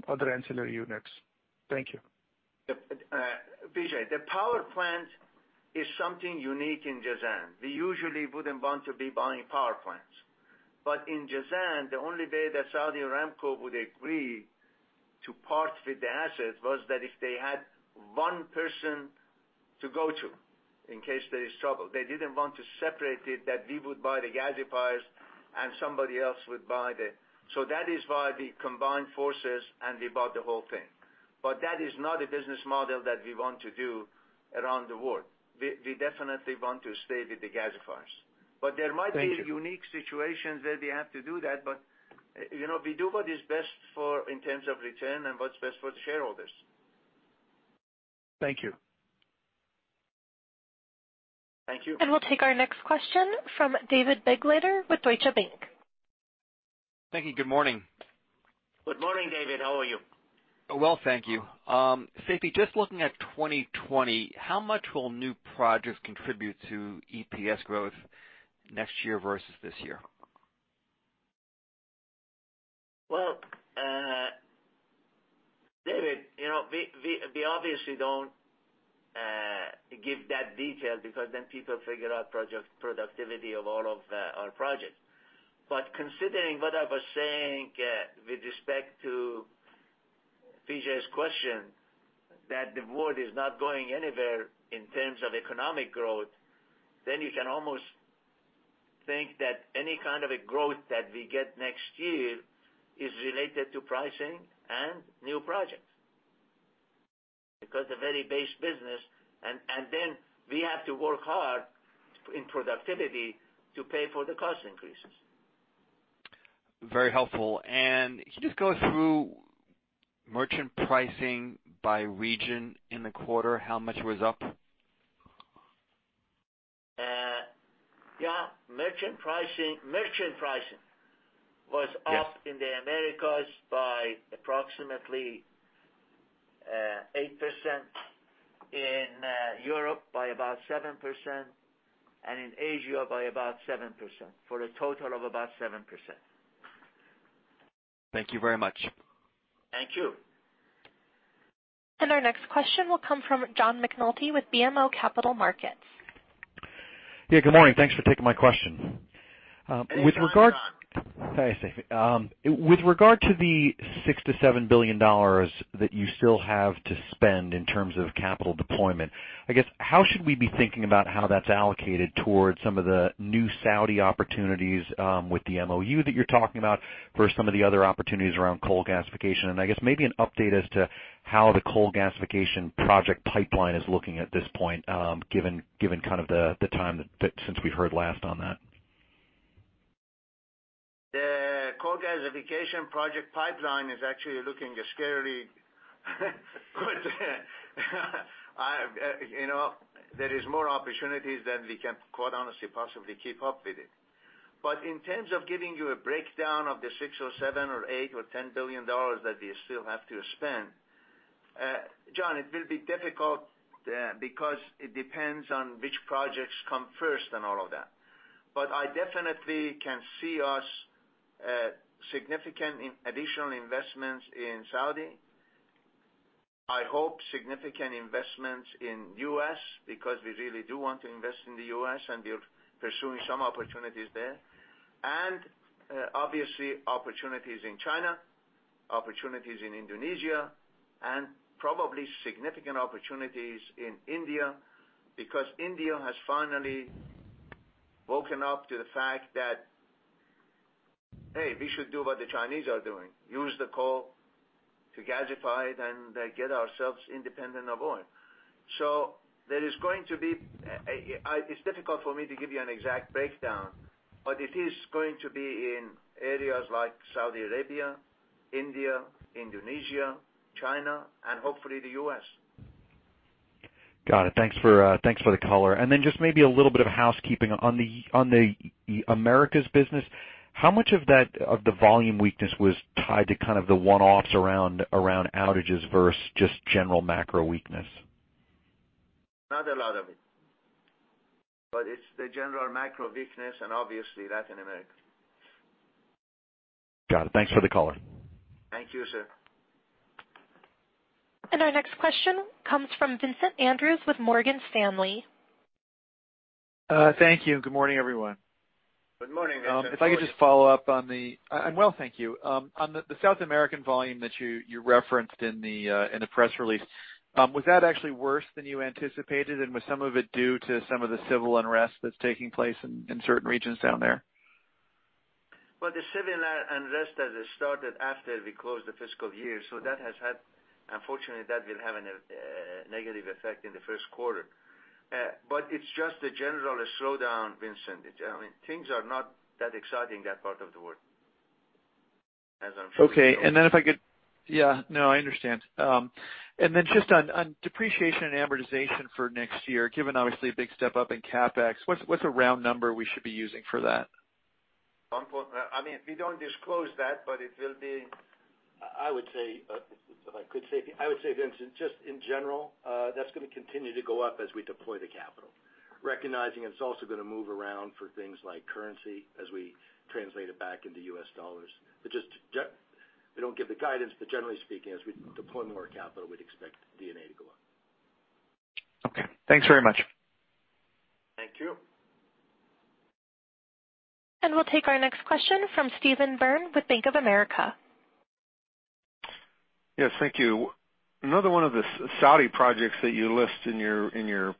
Speaker 7: other ancillary units. Thank you.
Speaker 3: P.J. the power plant is something unique in Jazan. We usually wouldn't want to be buying power plants. In Jazan, the only way that Saudi Aramco would agree to part with the assets was that if they had one person to go to in case there is trouble. They didn't want to separate it, that we would buy the gasifiers. That is why we combined forces, and we bought the whole thing. That is not a business model that we want to do around the world. We definitely want to stay with the gasifiers.
Speaker 7: Thank you.
Speaker 3: unique situations where we have to do that, but we do what is best in terms of return and what's best for the shareholders.
Speaker 7: Thank you.
Speaker 3: Thank you.
Speaker 1: We'll take our next question from David Begleiter with Deutsche Bank.
Speaker 8: Thank you. Good morning.
Speaker 3: Good morning, David. How are you?
Speaker 8: Well, thank you. Seifi, just looking at 2020, how much will new projects contribute to EPS growth next year versus this year?
Speaker 3: Well, David, we obviously don't give that detail because then people figure out productivity of all of our projects. Considering what I was saying with respect to P.J. question, that the world is not going anywhere in terms of economic growth, then you can almost think that any kind of a growth that we get next year is related to pricing and new projects. The very base business, and then we have to work hard in productivity to pay for the cost increases.
Speaker 8: Very helpful. Can you just go through merchant pricing by region in the quarter, how much was up?
Speaker 3: Yeah. Merchant pricing was up.
Speaker 8: Yes
Speaker 3: in the Americas by approximately 8%, in Europe by about 7%, and in Asia by about 7%, for a total of about 7%.
Speaker 8: Thank you very much.
Speaker 3: Thank you.
Speaker 1: Our next question will come from John McNulty with BMO Capital Markets.
Speaker 9: Yeah, good morning. Thanks for taking my question.
Speaker 3: Hey, John.
Speaker 9: Sorry, Seifi. With regard to the $6 billion-$7 billion that you still have to spend in terms of capital deployment, I guess, how should we be thinking about how that's allocated towards some of the new Saudi opportunities, with the MOU that you're talking about, versus some of the other opportunities around coal gasification? I guess maybe an update as to how the coal gasification project pipeline is looking at this point, given the time since we heard last on that.
Speaker 3: The coal gasification project pipeline is actually looking scarily good. There is more opportunities than we can, quite honestly, possibly keep up with it. In terms of giving you a breakdown of the $6 or $7 or $8 or $10 billion that we still have to spend, John, it will be difficult because it depends on which projects come first and all of that. I definitely can see us significant in additional investments in Saudi. I hope significant investments in U.S., because we really do want to invest in the U.S., and we're pursuing some opportunities there. Obviously, opportunities in China, opportunities in Indonesia, and probably significant opportunities in India, because India has finally woken up to the fact that, hey, we should do what the Chinese are doing, use the coal to gasify it and get ourselves independent of oil. It's difficult for me to give you an exact breakdown, but it is going to be in areas like Saudi Arabia, India, Indonesia, China, and hopefully the U.S.
Speaker 9: Got it. Thanks for the color. Just maybe a little bit of housekeeping. On the Americas business, how much of the volume weakness was tied to the one-offs around outages versus just general macro weakness?
Speaker 3: Not a lot of it. It's the general macro weakness and obviously Latin America.
Speaker 9: Got it. Thanks for the color.
Speaker 3: Thank you, sir.
Speaker 1: Our next question comes from Vincent Andrews with Morgan Stanley.
Speaker 10: Thank you. Good morning, everyone.
Speaker 3: Good morning.
Speaker 10: If I could just follow up on the I'm well, thank you. On the South American volume that you referenced in the press release, was that actually worse than you anticipated? Was some of it due to some of the civil unrest that's taking place in certain regions down there?
Speaker 3: Well, the civil unrest that has started after we closed the fiscal year. Unfortunately, that will have a negative effect in the first quarter. It's just a general slowdown, Vincent. Things are not that exciting in that part of the world, as I'm sure you know.
Speaker 10: Okay. Then if I could Yeah. No, I understand. Then just on depreciation and amortization for next year, given obviously a big step up in CapEx, what's a round number we should be using for that?
Speaker 3: We don't disclose that. It will be, I would say, Vincent, just in general, that's going to continue to go up as we deploy the capital. Recognizing it's also going to move around for things like currency as we translate it back into US dollars. We don't give the guidance. Generally speaking, as we deploy more capital, we'd expect D&A to go up.
Speaker 10: Okay. Thanks very much.
Speaker 3: Thank you.
Speaker 1: We'll take our next question from Steve Byrne with Bank of America.
Speaker 11: Yes, thank you. Another one of the Saudi projects that you list in your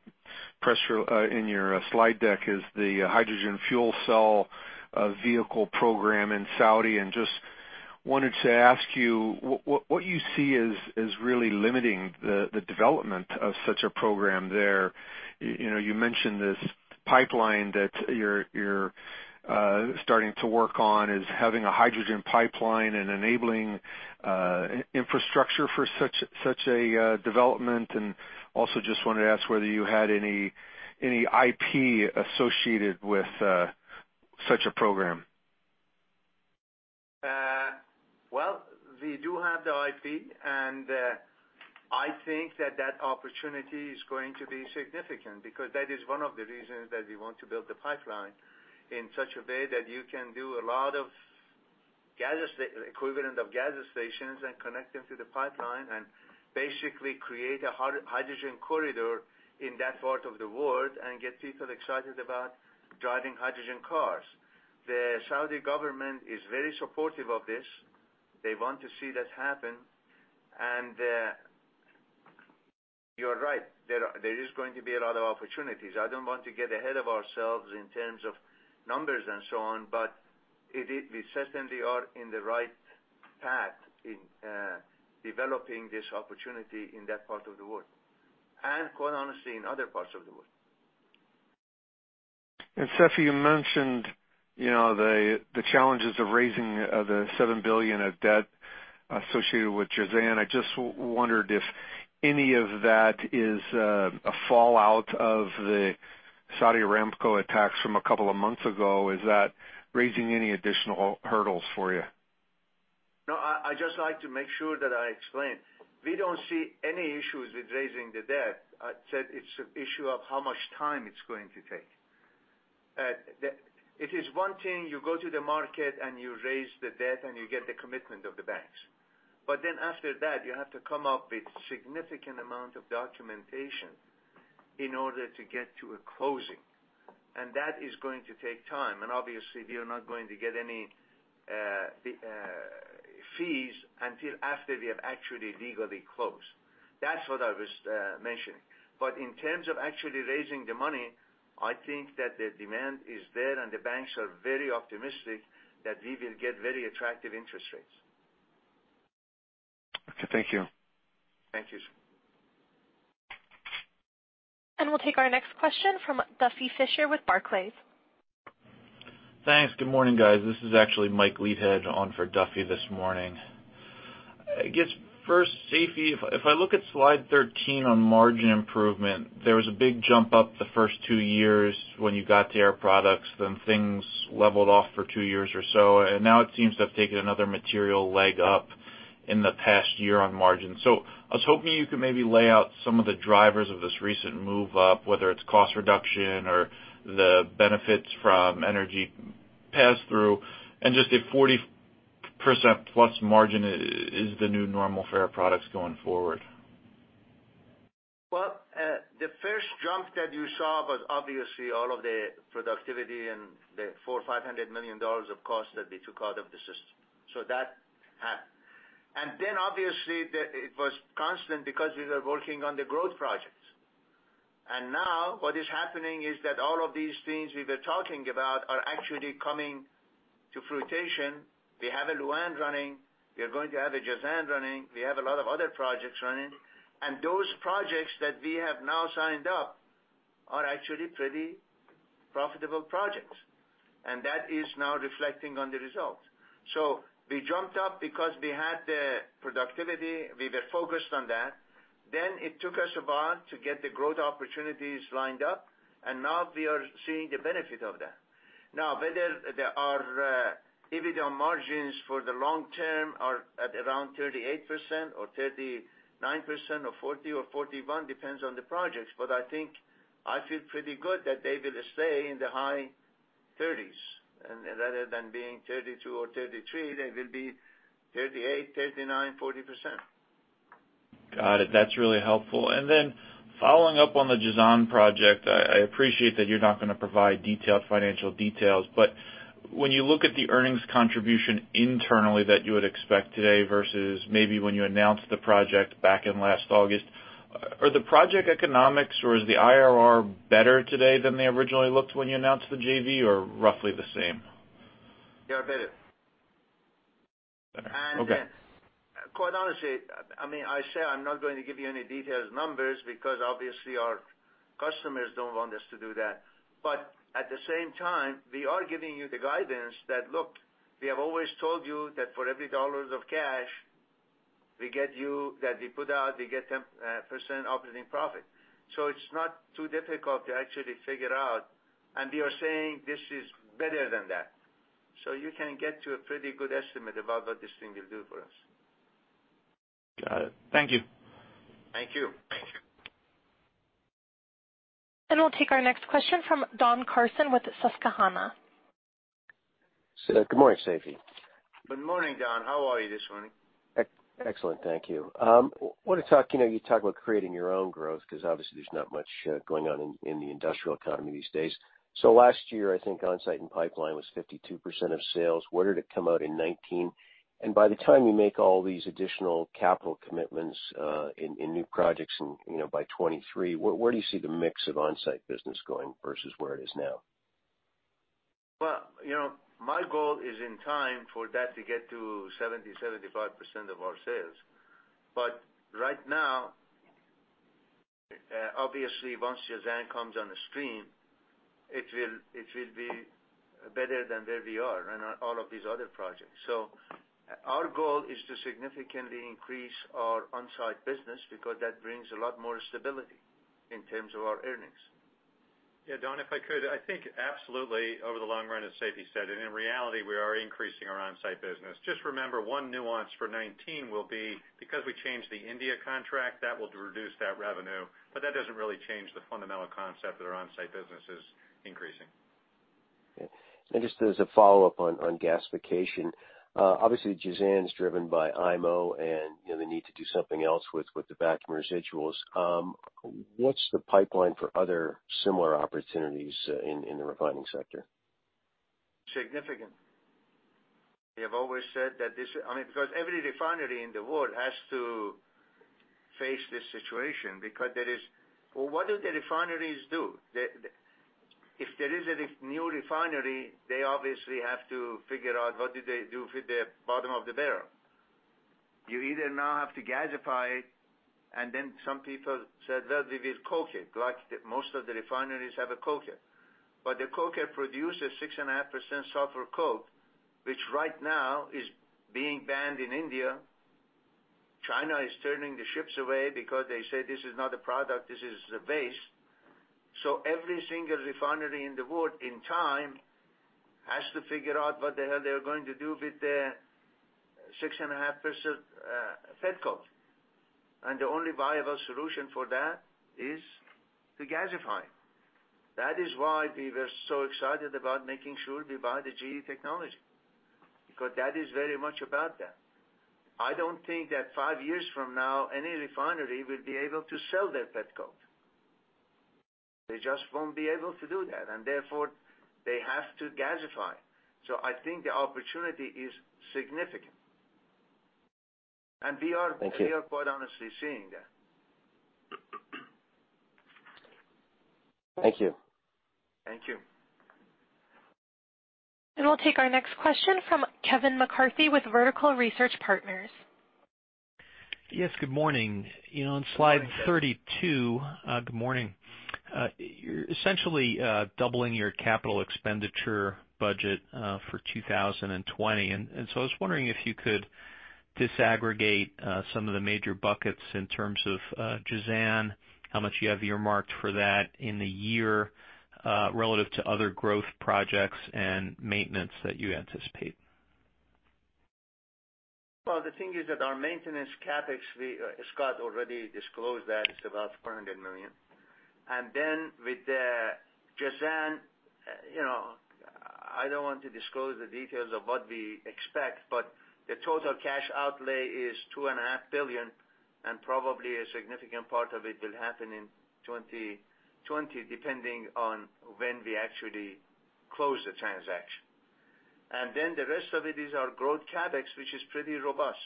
Speaker 11: slide deck is the hydrogen fuel cell vehicle program in Saudi, and just wanted to ask you, what you see is really limiting the development of such a program there. You mentioned this pipeline that you're starting to work on is having a hydrogen pipeline and enabling infrastructure for such a development, and also just wanted to ask whether you had any IP associated with such a program.
Speaker 3: Well, we do have the IP. I think that that opportunity is going to be significant because that is one of the reasons that we want to build the pipeline in such a way that you can do a lot of equivalent of gas stations and connect them to the pipeline and basically create a hydrogen corridor in that part of the world and get people excited about driving hydrogen cars. The Saudi government is very supportive of this. They want to see this happen. You're right. There is going to be a lot of opportunities. I don't want to get ahead of ourselves in terms of numbers and so on. We certainly are in the right path in developing this opportunity in that part of the world, and quite honestly, in other parts of the world.
Speaker 11: Seifi, you mentioned the challenges of raising the $7 billion of debt associated with Jazan. I just wondered if any of that is a fallout of the Saudi Aramco attacks from a couple of months ago. Is that raising any additional hurdles for you?
Speaker 3: No, I just like to make sure that I explain. We don't see any issues with raising the debt. I said it's an issue of how much time it's going to take. It is one thing, you go to the market and you raise the debt and you get the commitment of the banks. After that, you have to come up with significant amount of documentation in order to get to a closing. That is going to take time. Obviously, we are not going to get any fees until after we have actually legally closed. That's what I was mentioning. In terms of actually raising the money, I think that the demand is there, and the banks are very optimistic that we will get very attractive interest rates.
Speaker 11: Okay. Thank you.
Speaker 3: Thank you.
Speaker 1: We'll take our next question from Duffy Fischer with Barclays.
Speaker 12: Thanks. Good morning, guys. This is actually Mike Leithead on for Duffy this morning. First, Seifi, if I look at slide 13 on margin improvement, there was a big jump up the first two years when you got to Air Products, then things leveled off for two years or so, and now it seems to have taken another material leg up in the past year on margin. I was hoping you could maybe lay out some of the drivers of this recent move up, whether it's cost reduction or the benefits from energy pass-through, and just if 40% plus margin is the new normal for Air Products going forward.
Speaker 3: Well, the first jump that you saw was obviously all of the productivity and the $400 or $500 million of cost that we took out of the system. That happened. Obviously, it was constant because we were working on the growth projects. Now what is happening is that all of these things we were talking about are actually coming to fruition. We have a Lu'An running, we're going to have a Jazan running, we have a lot of other projects running. Those projects that we have now signed up are actually pretty profitable projects, and that is now reflecting on the results. We jumped up because we had the productivity, we were focused on that. It took us a while to get the growth opportunities lined up, and now we are seeing the benefit of that. Whether there are EBITDA margins for the long term are at around 38% or 39% or 40% or 41%, depends on the projects. I think I feel pretty good that they will stay in the high 30s. Rather than being 32% or 33%, they will be 38%, 39%, 40%.
Speaker 12: Got it. That's really helpful. Following up on the Jazan project, I appreciate that you're not going to provide detailed financial details, but when you look at the earnings contribution internally that you would expect today versus maybe when you announced the project back in last August, are the project economics or is the IRR better today than they originally looked when you announced the JV, or roughly the same?
Speaker 3: They are better.
Speaker 12: Better. Okay.
Speaker 3: Again, quite honestly, I say I'm not going to give you any detailed numbers because obviously our customers don't want us to do that. At the same time, we are giving you the guidance that, look, we have always told you that for every dollar of cash we get you, that we put out, we get 10% operating profit. It's not too difficult to actually figure out. We are saying this is better than that. You can get to a pretty good estimate about what this thing will do for us.
Speaker 12: Got it. Thank you.
Speaker 3: Thank you.
Speaker 1: We'll take our next question from Don Carson with Susquehanna.
Speaker 13: Good morning, Seifi.
Speaker 3: Good morning, Don. How are you this morning?
Speaker 13: Excellent. Thank you. You talk about creating your own growth because obviously there's not much going on in the industrial economy these days. Last year, I think onsite and pipeline was 52% of sales. Where did it come out in 2019? By the time you make all these additional capital commitments, in new projects and by 2023, where do you see the mix of onsite business going versus where it is now?
Speaker 3: Well, my goal is in time for that to get to 70%, 75% of our sales. Right now, obviously once Jazan comes on the stream, it will be better than where we are and all of these other projects. Our goal is to significantly increase our onsite business because that brings a lot more stability in terms of our earnings.
Speaker 2: Yeah, Don, if I could, I think absolutely over the long run, as Seifi said, and in reality, we are increasing our onsite business. Just remember, one nuance for 2019 will be because we changed the India contract, that will reduce that revenue, but that doesn't really change the fundamental concept that our onsite business is increasing.
Speaker 13: Okay. Just as a follow-up on gasification. Obviously Jazan's driven by IMO and the need to do something else with the vacuum residuals. What's the pipeline for other similar opportunities in the refining sector?
Speaker 3: Significant. We have always said that every refinery in the world has to face this situation. Well, what do the refineries do? If there is a new refinery, they obviously have to figure out what do they do with the bottom of the barrel. You either now have to gasify it. Some people said, "Well, we will coke it," like most of the refineries have a coker. The coker produces 6.5% sulfur coke, which right now is being banned in India. China is turning the ships away because they say this is not a product, this is a waste. Every single refinery in the world, in time, has to figure out what the hell they're going to do with the 6.5% petcoke. The only viable solution for that is to gasify. That is why we were so excited about making sure we buy the GE technology, because that is very much about that. I don't think that five years from now, any refinery will be able to sell that petcoke. They just won't be able to do that, and therefore they have to gasify. I think the opportunity is significant.
Speaker 13: Thank you.
Speaker 3: quite honestly seeing that.
Speaker 13: Thank you.
Speaker 3: Thank you.
Speaker 1: We'll take our next question from Kevin McCarthy with Vertical Research Partners.
Speaker 14: Yes, good morning. On slide 32.
Speaker 3: Good morning, Kevin.
Speaker 14: Good morning. You're essentially doubling your capital expenditure budget for 2020. I was wondering if you could disaggregate some of the major buckets in terms of Jazan, how much you have earmarked for that in the year, relative to other growth projects and maintenance that you anticipate?
Speaker 3: Well, the thing is that our maintenance CapEx, Scott already disclosed that it's about $400 million. With the Jazan, I don't want to disclose the details of what we expect, but the total cash outlay is $2.5 billion, and probably a significant part of it will happen in 2020, depending on when we actually close the transaction. The rest of it is our growth CapEx, which is pretty robust.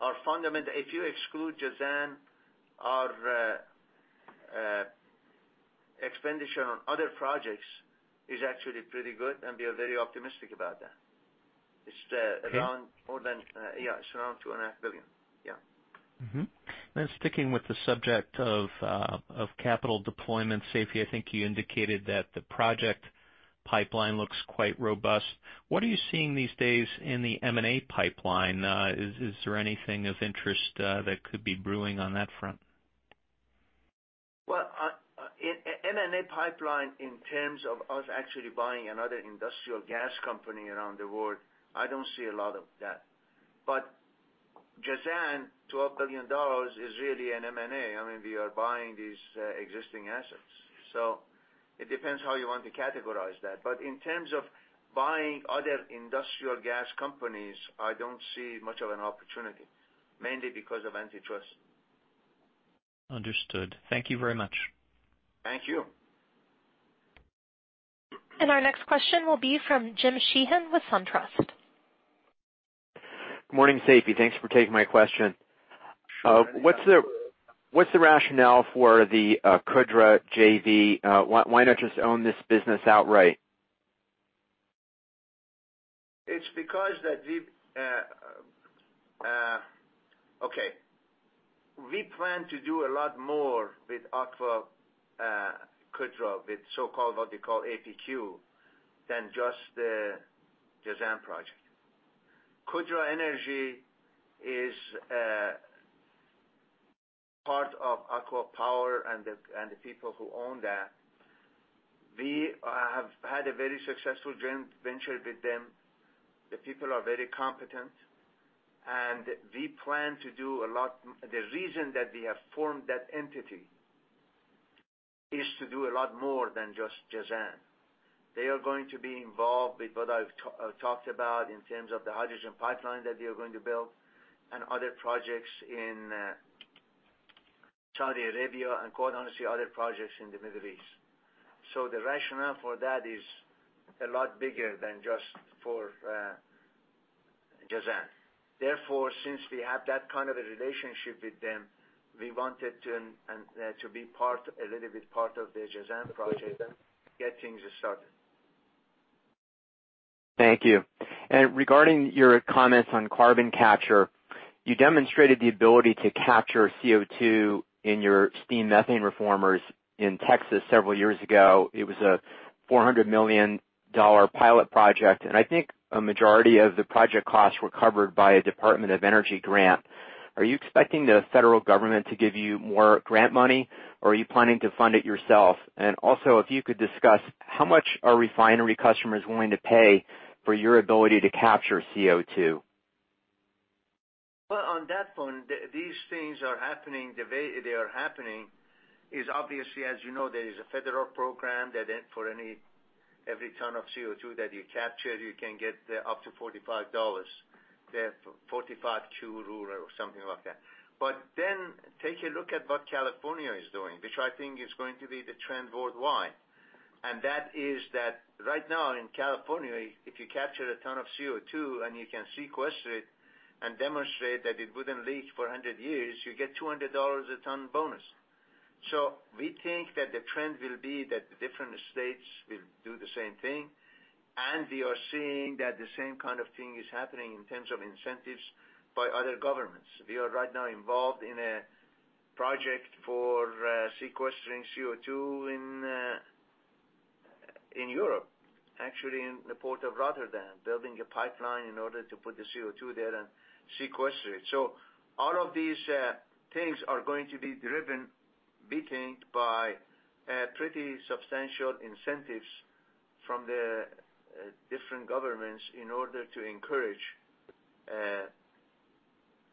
Speaker 3: If you exclude Jazan, our expenditure on other projects is actually pretty good, and we are very optimistic about that.
Speaker 14: Okay.
Speaker 3: It's around $2.5 billion. Yeah.
Speaker 14: Mm-hmm. Sticking with the subject of capital deployment, Seifi, I think you indicated that the project pipeline looks quite robust. What are you seeing these days in the M&A pipeline? Is there anything of interest that could be brewing on that front?
Speaker 3: Well, M&A pipeline in terms of us actually buying another industrial gas company around the world, I don't see a lot of that. Jazan, $12 billion is really an M&A. We are buying these existing assets. It depends how you want to categorize that. In terms of buying other industrial gas companies, I don't see much of an opportunity, mainly because of antitrust.
Speaker 14: Understood. Thank you very much.
Speaker 3: Thank you.
Speaker 1: Our next question will be from Jim Sheehan with SunTrust.
Speaker 15: Good morning, Seifi. Thanks for taking my question.
Speaker 3: Sure.
Speaker 15: What's the rationale for the Qudra JV? Why not just own this business outright?
Speaker 3: It's because we plan to do a lot more with ACWA Qudra, with so-called what we call APQ, than just the Jazan project. Qudra Energy is a part of ACWA Power and the people who own that. We have had a very successful joint venture with them. The people are very competent. We plan to do a lot. The reason that we have formed that entity is to do a lot more than just Jazan. They are going to be involved with what I've talked about in terms of the hydrogen pipeline that we are going to build and other projects in Saudi Arabia and, quite honestly, other projects in the Middle East. The rationale for that is a lot bigger than just for Jazan. Therefore, since we have that kind of a relationship with them, we wanted to be a little bit part of the Jazan project to get things started.
Speaker 15: Thank you. Regarding your comments on carbon capture, you demonstrated the ability to capture CO2 in your steam methane reformers in Texas several years ago. It was a $400 million pilot project. I think a majority of the project costs were covered by a Department of Energy grant. Are you expecting the federal government to give you more grant money, or are you planning to fund it yourself? Also, if you could discuss, how much are refinery customers willing to pay for your ability to capture CO2?
Speaker 3: Well, on that front, these things are happening. The way they are happening is obviously, as you know, there is a federal program that for every ton of CO2 that you capture, you can get up to $45. The 45Q rule or something like that. Take a look at what California is doing, which I think is going to be the trend worldwide. That is that right now in California, if you capture a ton of CO2 and you can sequester it and demonstrate that it wouldn't leak for 100 years, you get $200 a ton bonus. We think that the trend will be that the different states will do the same thing, and we are seeing that the same kind of thing is happening in terms of incentives by other governments. We are right now involved in a project for sequestering CO2 in Europe. Actually, in the Port of Rotterdam, building a pipeline in order to put the CO2 there and sequester it. All of these things are going to be driven, beating by pretty substantial incentives from the different governments in order to encourage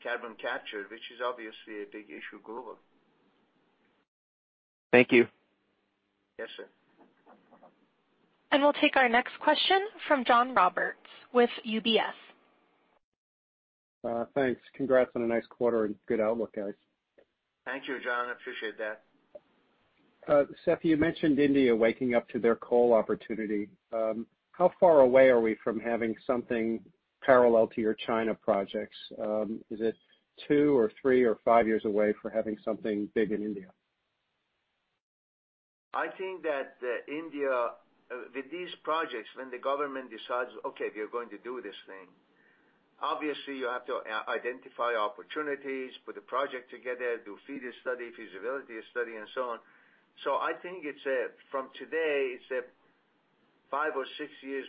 Speaker 3: carbon capture, which is obviously a big issue globally.
Speaker 15: Thank you.
Speaker 3: Yes, sir.
Speaker 1: We'll take our next question from John Roberts with UBS.
Speaker 16: Thanks. Congrats on a nice quarter and good outlook, guys.
Speaker 3: Thank you, John. Appreciate that.
Speaker 16: Seifi, you mentioned India waking up to their coal opportunity. How far away are we from having something parallel to your China projects? Is it two or three or five years away for having something big in India?
Speaker 3: I think that India, with these projects, when the government decides, okay, we are going to do this thing. Obviously, you have to identify opportunities, put a project together, do feed a study, feasibility study, and so on. I think from today, it's a 5 or 6 years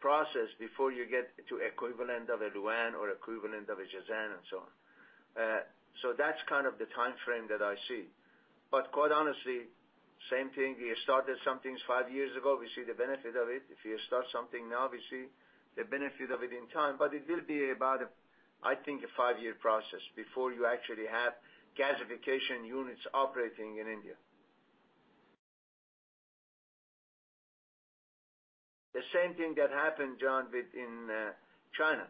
Speaker 3: process before you get to equivalent of a Lu'An or equivalent of a Jazan and so on. That's kind of the time frame that I see. Quite honestly, same thing. We started some things 5 years ago. We see the benefit of it. If we start something now, we see the benefit of it in time, but it will be about, I think, a 5-year process before you actually have gasification units operating in India. The same thing that happened, John, within China.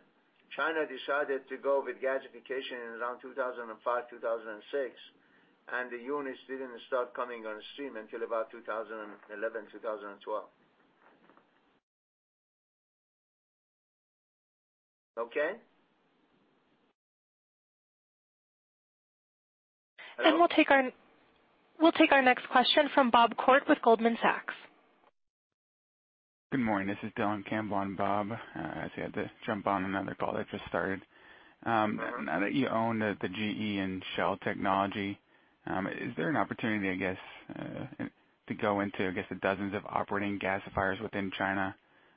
Speaker 3: China decided to go with gasification in around 2005, 2006. The units didn't start coming on stream until about 2011, 2012. Okay? Hello?
Speaker 1: We'll take our next question from Bob Koort with Goldman Sachs.
Speaker 17: Good morning. This is Dylan Campbell on Bob, as he had to jump on another call that just started. Now that you own the GE and Shell technology, is there an opportunity, I guess, to go into, I guess, the dozens of operating gasifiers within China,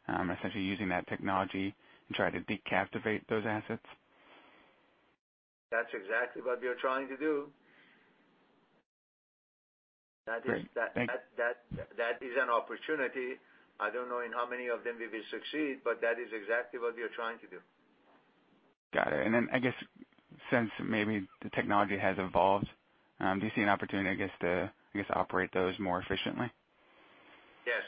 Speaker 17: essentially using that technology and try to decaptivate those assets?
Speaker 3: That's exactly what we are trying to do.
Speaker 17: Great. Thank you.
Speaker 3: That is an opportunity. I don't know in how many of them we will succeed, but that is exactly what we are trying to do.
Speaker 17: Got it. I guess since maybe the technology has evolved, do you see an opportunity, I guess, to operate those more efficiently?
Speaker 3: Yes.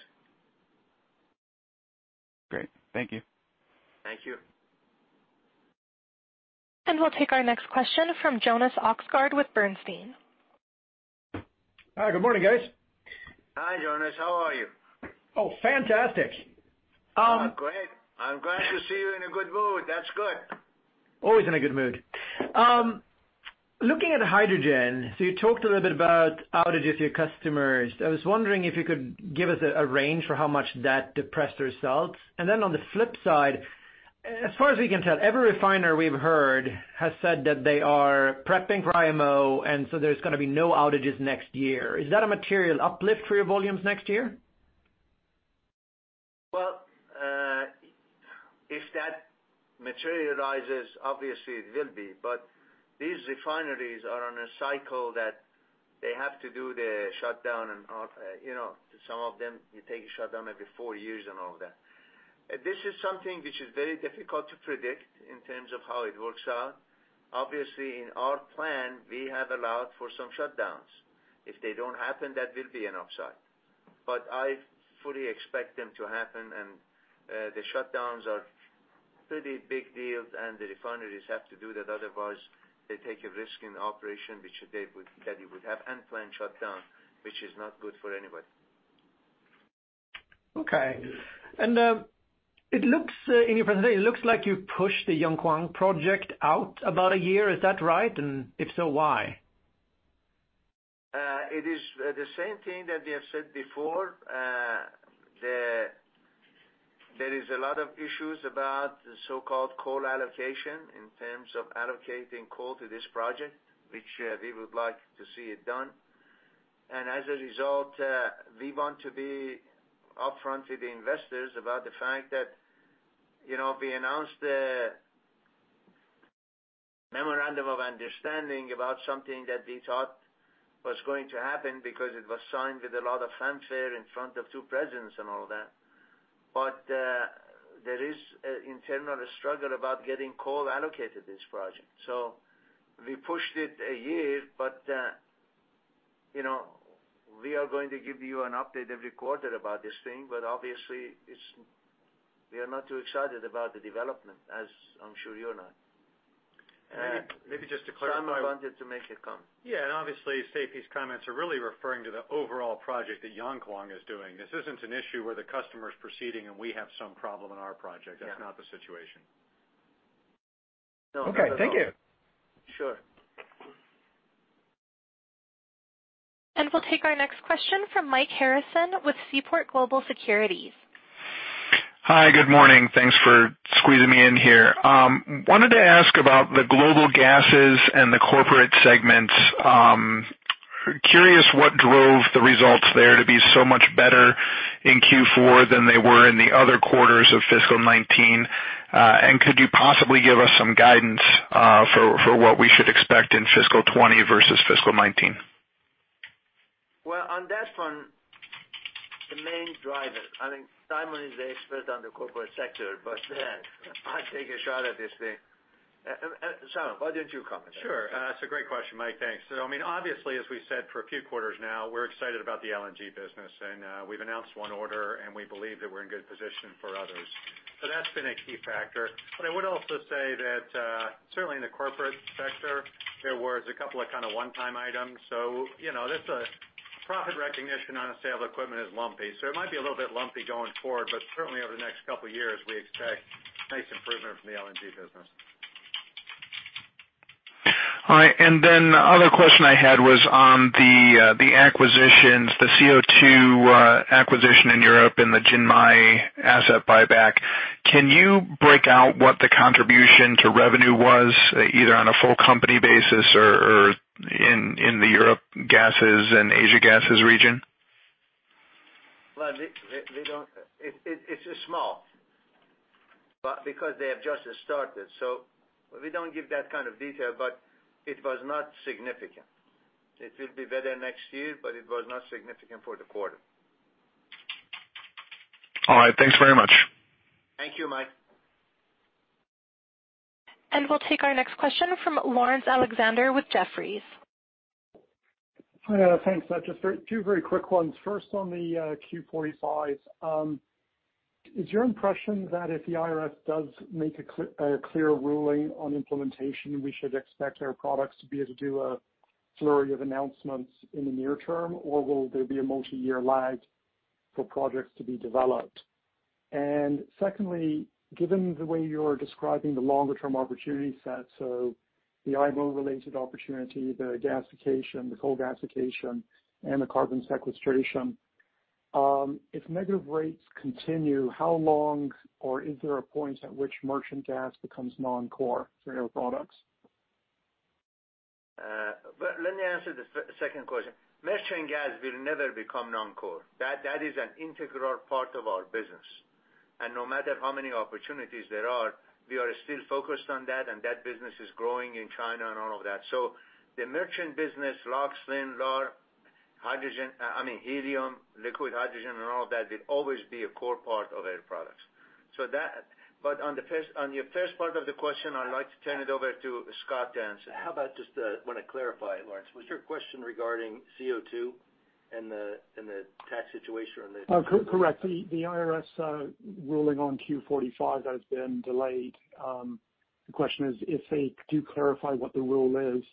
Speaker 17: Great. Thank you.
Speaker 3: Thank you.
Speaker 1: We'll take our next question from Jonas Oxgaard with Bernstein.
Speaker 18: Hi, good morning, guys.
Speaker 3: Hi, Jonas. How are you?
Speaker 18: Oh, fantastic.
Speaker 3: Oh, great. I'm glad to see you in a good mood. That's good.
Speaker 18: Always in a good mood. Looking at hydrogen, you talked a little bit about outages to your customers. I was wondering if you could give us a range for how much that depressed the results. On the flip side, as far as we can tell, every refiner we've heard has said that they are prepping for IMO, there's going to be no outages next year. Is that a material uplift for your volumes next year?
Speaker 3: Well, if that materializes, obviously it will be. These refineries are on a cycle that they have to do the shutdown and some of them, you take a shutdown every four years and all that. This is something which is very difficult to predict in terms of how it works out. Obviously, in our plan, we have allowed for some shutdowns. If they don't happen, that will be an upside. I fully expect them to happen, and the shutdowns are pretty big deals, and the refineries have to do that, otherwise, they take a risk in the operation, that you would have unplanned shutdown, which is not good for anybody.
Speaker 18: Okay. In your presentation, it looks like you pushed the Yankuang project out about a year. Is that right? If so, why?
Speaker 3: It is the same thing that we have said before. There is a lot of issues about the so-called coal allocation in terms of allocating coal to this project, which we would like to see it done. As a result, we want to be upfront with the investors about the fact that, we announced the memorandum of understanding about something that we thought was going to happen because it was signed with a lot of fanfare in front of two presidents and all that. There is internal struggle about getting coal allocated this project. We pushed it a year, but we are going to give you an update every quarter about this thing, but obviously we are not too excited about the development, as I'm sure you're not.
Speaker 18: Maybe just to clarify-
Speaker 3: Simon wanted to make a comment.
Speaker 2: Yeah. Obviously, Seifi's comments are really referring to the overall project that Yankuang is doing. This isn't an issue where the customer's proceeding, and we have some problem in our project.
Speaker 3: Yeah.
Speaker 2: That's not the situation.
Speaker 18: Okay. Thank you.
Speaker 3: Sure.
Speaker 1: We'll take our next question from Mike Harrison with Seaport Global Securities.
Speaker 19: Hi, good morning. Thanks for squeezing me in here. Wanted to ask about the global gases and the corporate segments. Curious what drove the results there to be so much better in Q4 than they were in the other quarters of fiscal 2019. Could you possibly give us some guidance for what we should expect in fiscal 2020 versus fiscal 2019?
Speaker 3: Well, on that one, the main driver, I mean, Simon is the expert on the corporate sector, but I'll take a shot at this thing. Simon, why don't you comment on that?
Speaker 2: Sure. That's a great question, Mike. Thanks. Obviously, as we said for a few quarters now, we're excited about the LNG business, and we've announced one order, and we believe that we're in good position for others. That's been a key factor. I would also say that, certainly in the corporate sector, there was a couple of one-time items. Profit recognition on the sale of equipment is lumpy. It might be a little bit lumpy going forward, but certainly over the next couple of years, we expect nice improvement from the LNG business.
Speaker 19: All right. The other question I had was on the acquisitions, the CO2 acquisition in Europe and the Jinmei asset buyback. Can you break out what the contribution to revenue was, either on a full company basis or in the Europe gases and Asia gases region?
Speaker 3: Well, it's small, because they have just started. We don't give that kind of detail, but it was not significant. It will be better next year, but it was not significant for the quarter.
Speaker 19: All right. Thanks very much.
Speaker 3: Thank you, Mike.
Speaker 1: We'll take our next question from Laurence Alexander with Jefferies.
Speaker 20: Hi. Thanks. Just two very quick ones. First, on the 45Q. Is your impression that if the IRS does make a clear ruling on implementation, we should expect Air Products to be able to do a flurry of announcements in the near term, or will there be a multi-year lag for projects to be developed? Secondly, given the way you're describing the longer-term opportunity set, so the IMO-related opportunity, the gasification, the coal gasification, and the carbon sequestration. If negative rates continue, how long or is there a point at which merchant gas becomes non-core for Air Products?
Speaker 3: Let me answer the second question. Merchant gas will never become non-core. That is an integral part of our business. No matter how many opportunities there are, we are still focused on that, and that business is growing in China and all of that. The merchant business locks in our helium, liquid hydrogen and all that will always be a core part of Air Products. On your first part of the question, I would like to turn it over to Scott to answer.
Speaker 4: How about just want to clarify, Laurence, was your question regarding CO2 and the tax situation?
Speaker 20: Correct. The IRS ruling on 45Q has been delayed. The question is, if they do clarify what the rule is,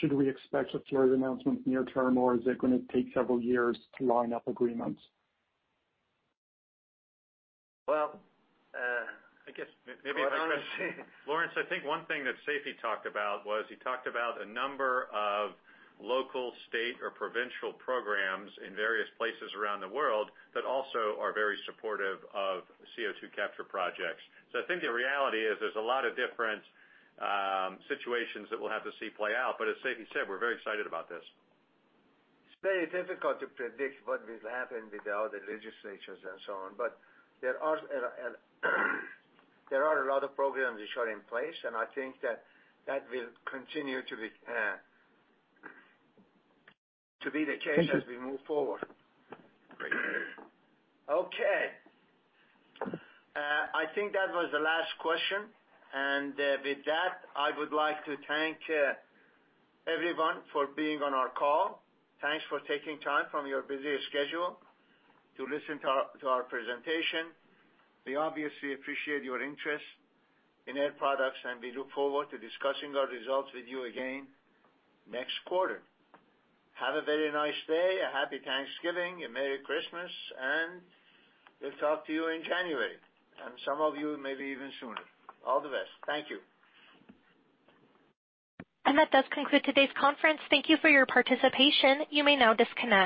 Speaker 20: should we expect a further announcement near term, or is it gonna take several years to line up agreements?
Speaker 3: Well,
Speaker 4: I guess maybe, Laurence, I think one thing that Seifi talked about was he talked about a number of local state or provincial programs in various places around the world that also are very supportive of CO2 capture projects. I think the reality is, there's a lot of different situations that we'll have to see play out. As Seifi said, we're very excited about this.
Speaker 3: It's very difficult to predict what will happen with all the legislations and so on. There are a lot of programs which are in place, and I think that that will continue to be the case as we move forward.
Speaker 4: Great.
Speaker 3: Okay. I think that was the last question. With that, I would like to thank everyone for being on our call. Thanks for taking time from your busy schedule to listen to our presentation. We obviously appreciate your interest in Air Products, and we look forward to discussing our results with you again next quarter. Have a very nice day, a happy Thanksgiving, a merry Christmas, and we'll talk to you in January, and some of you maybe even sooner. All the best. Thank you.
Speaker 1: That does conclude today's conference. Thank you for your participation. You may now disconnect.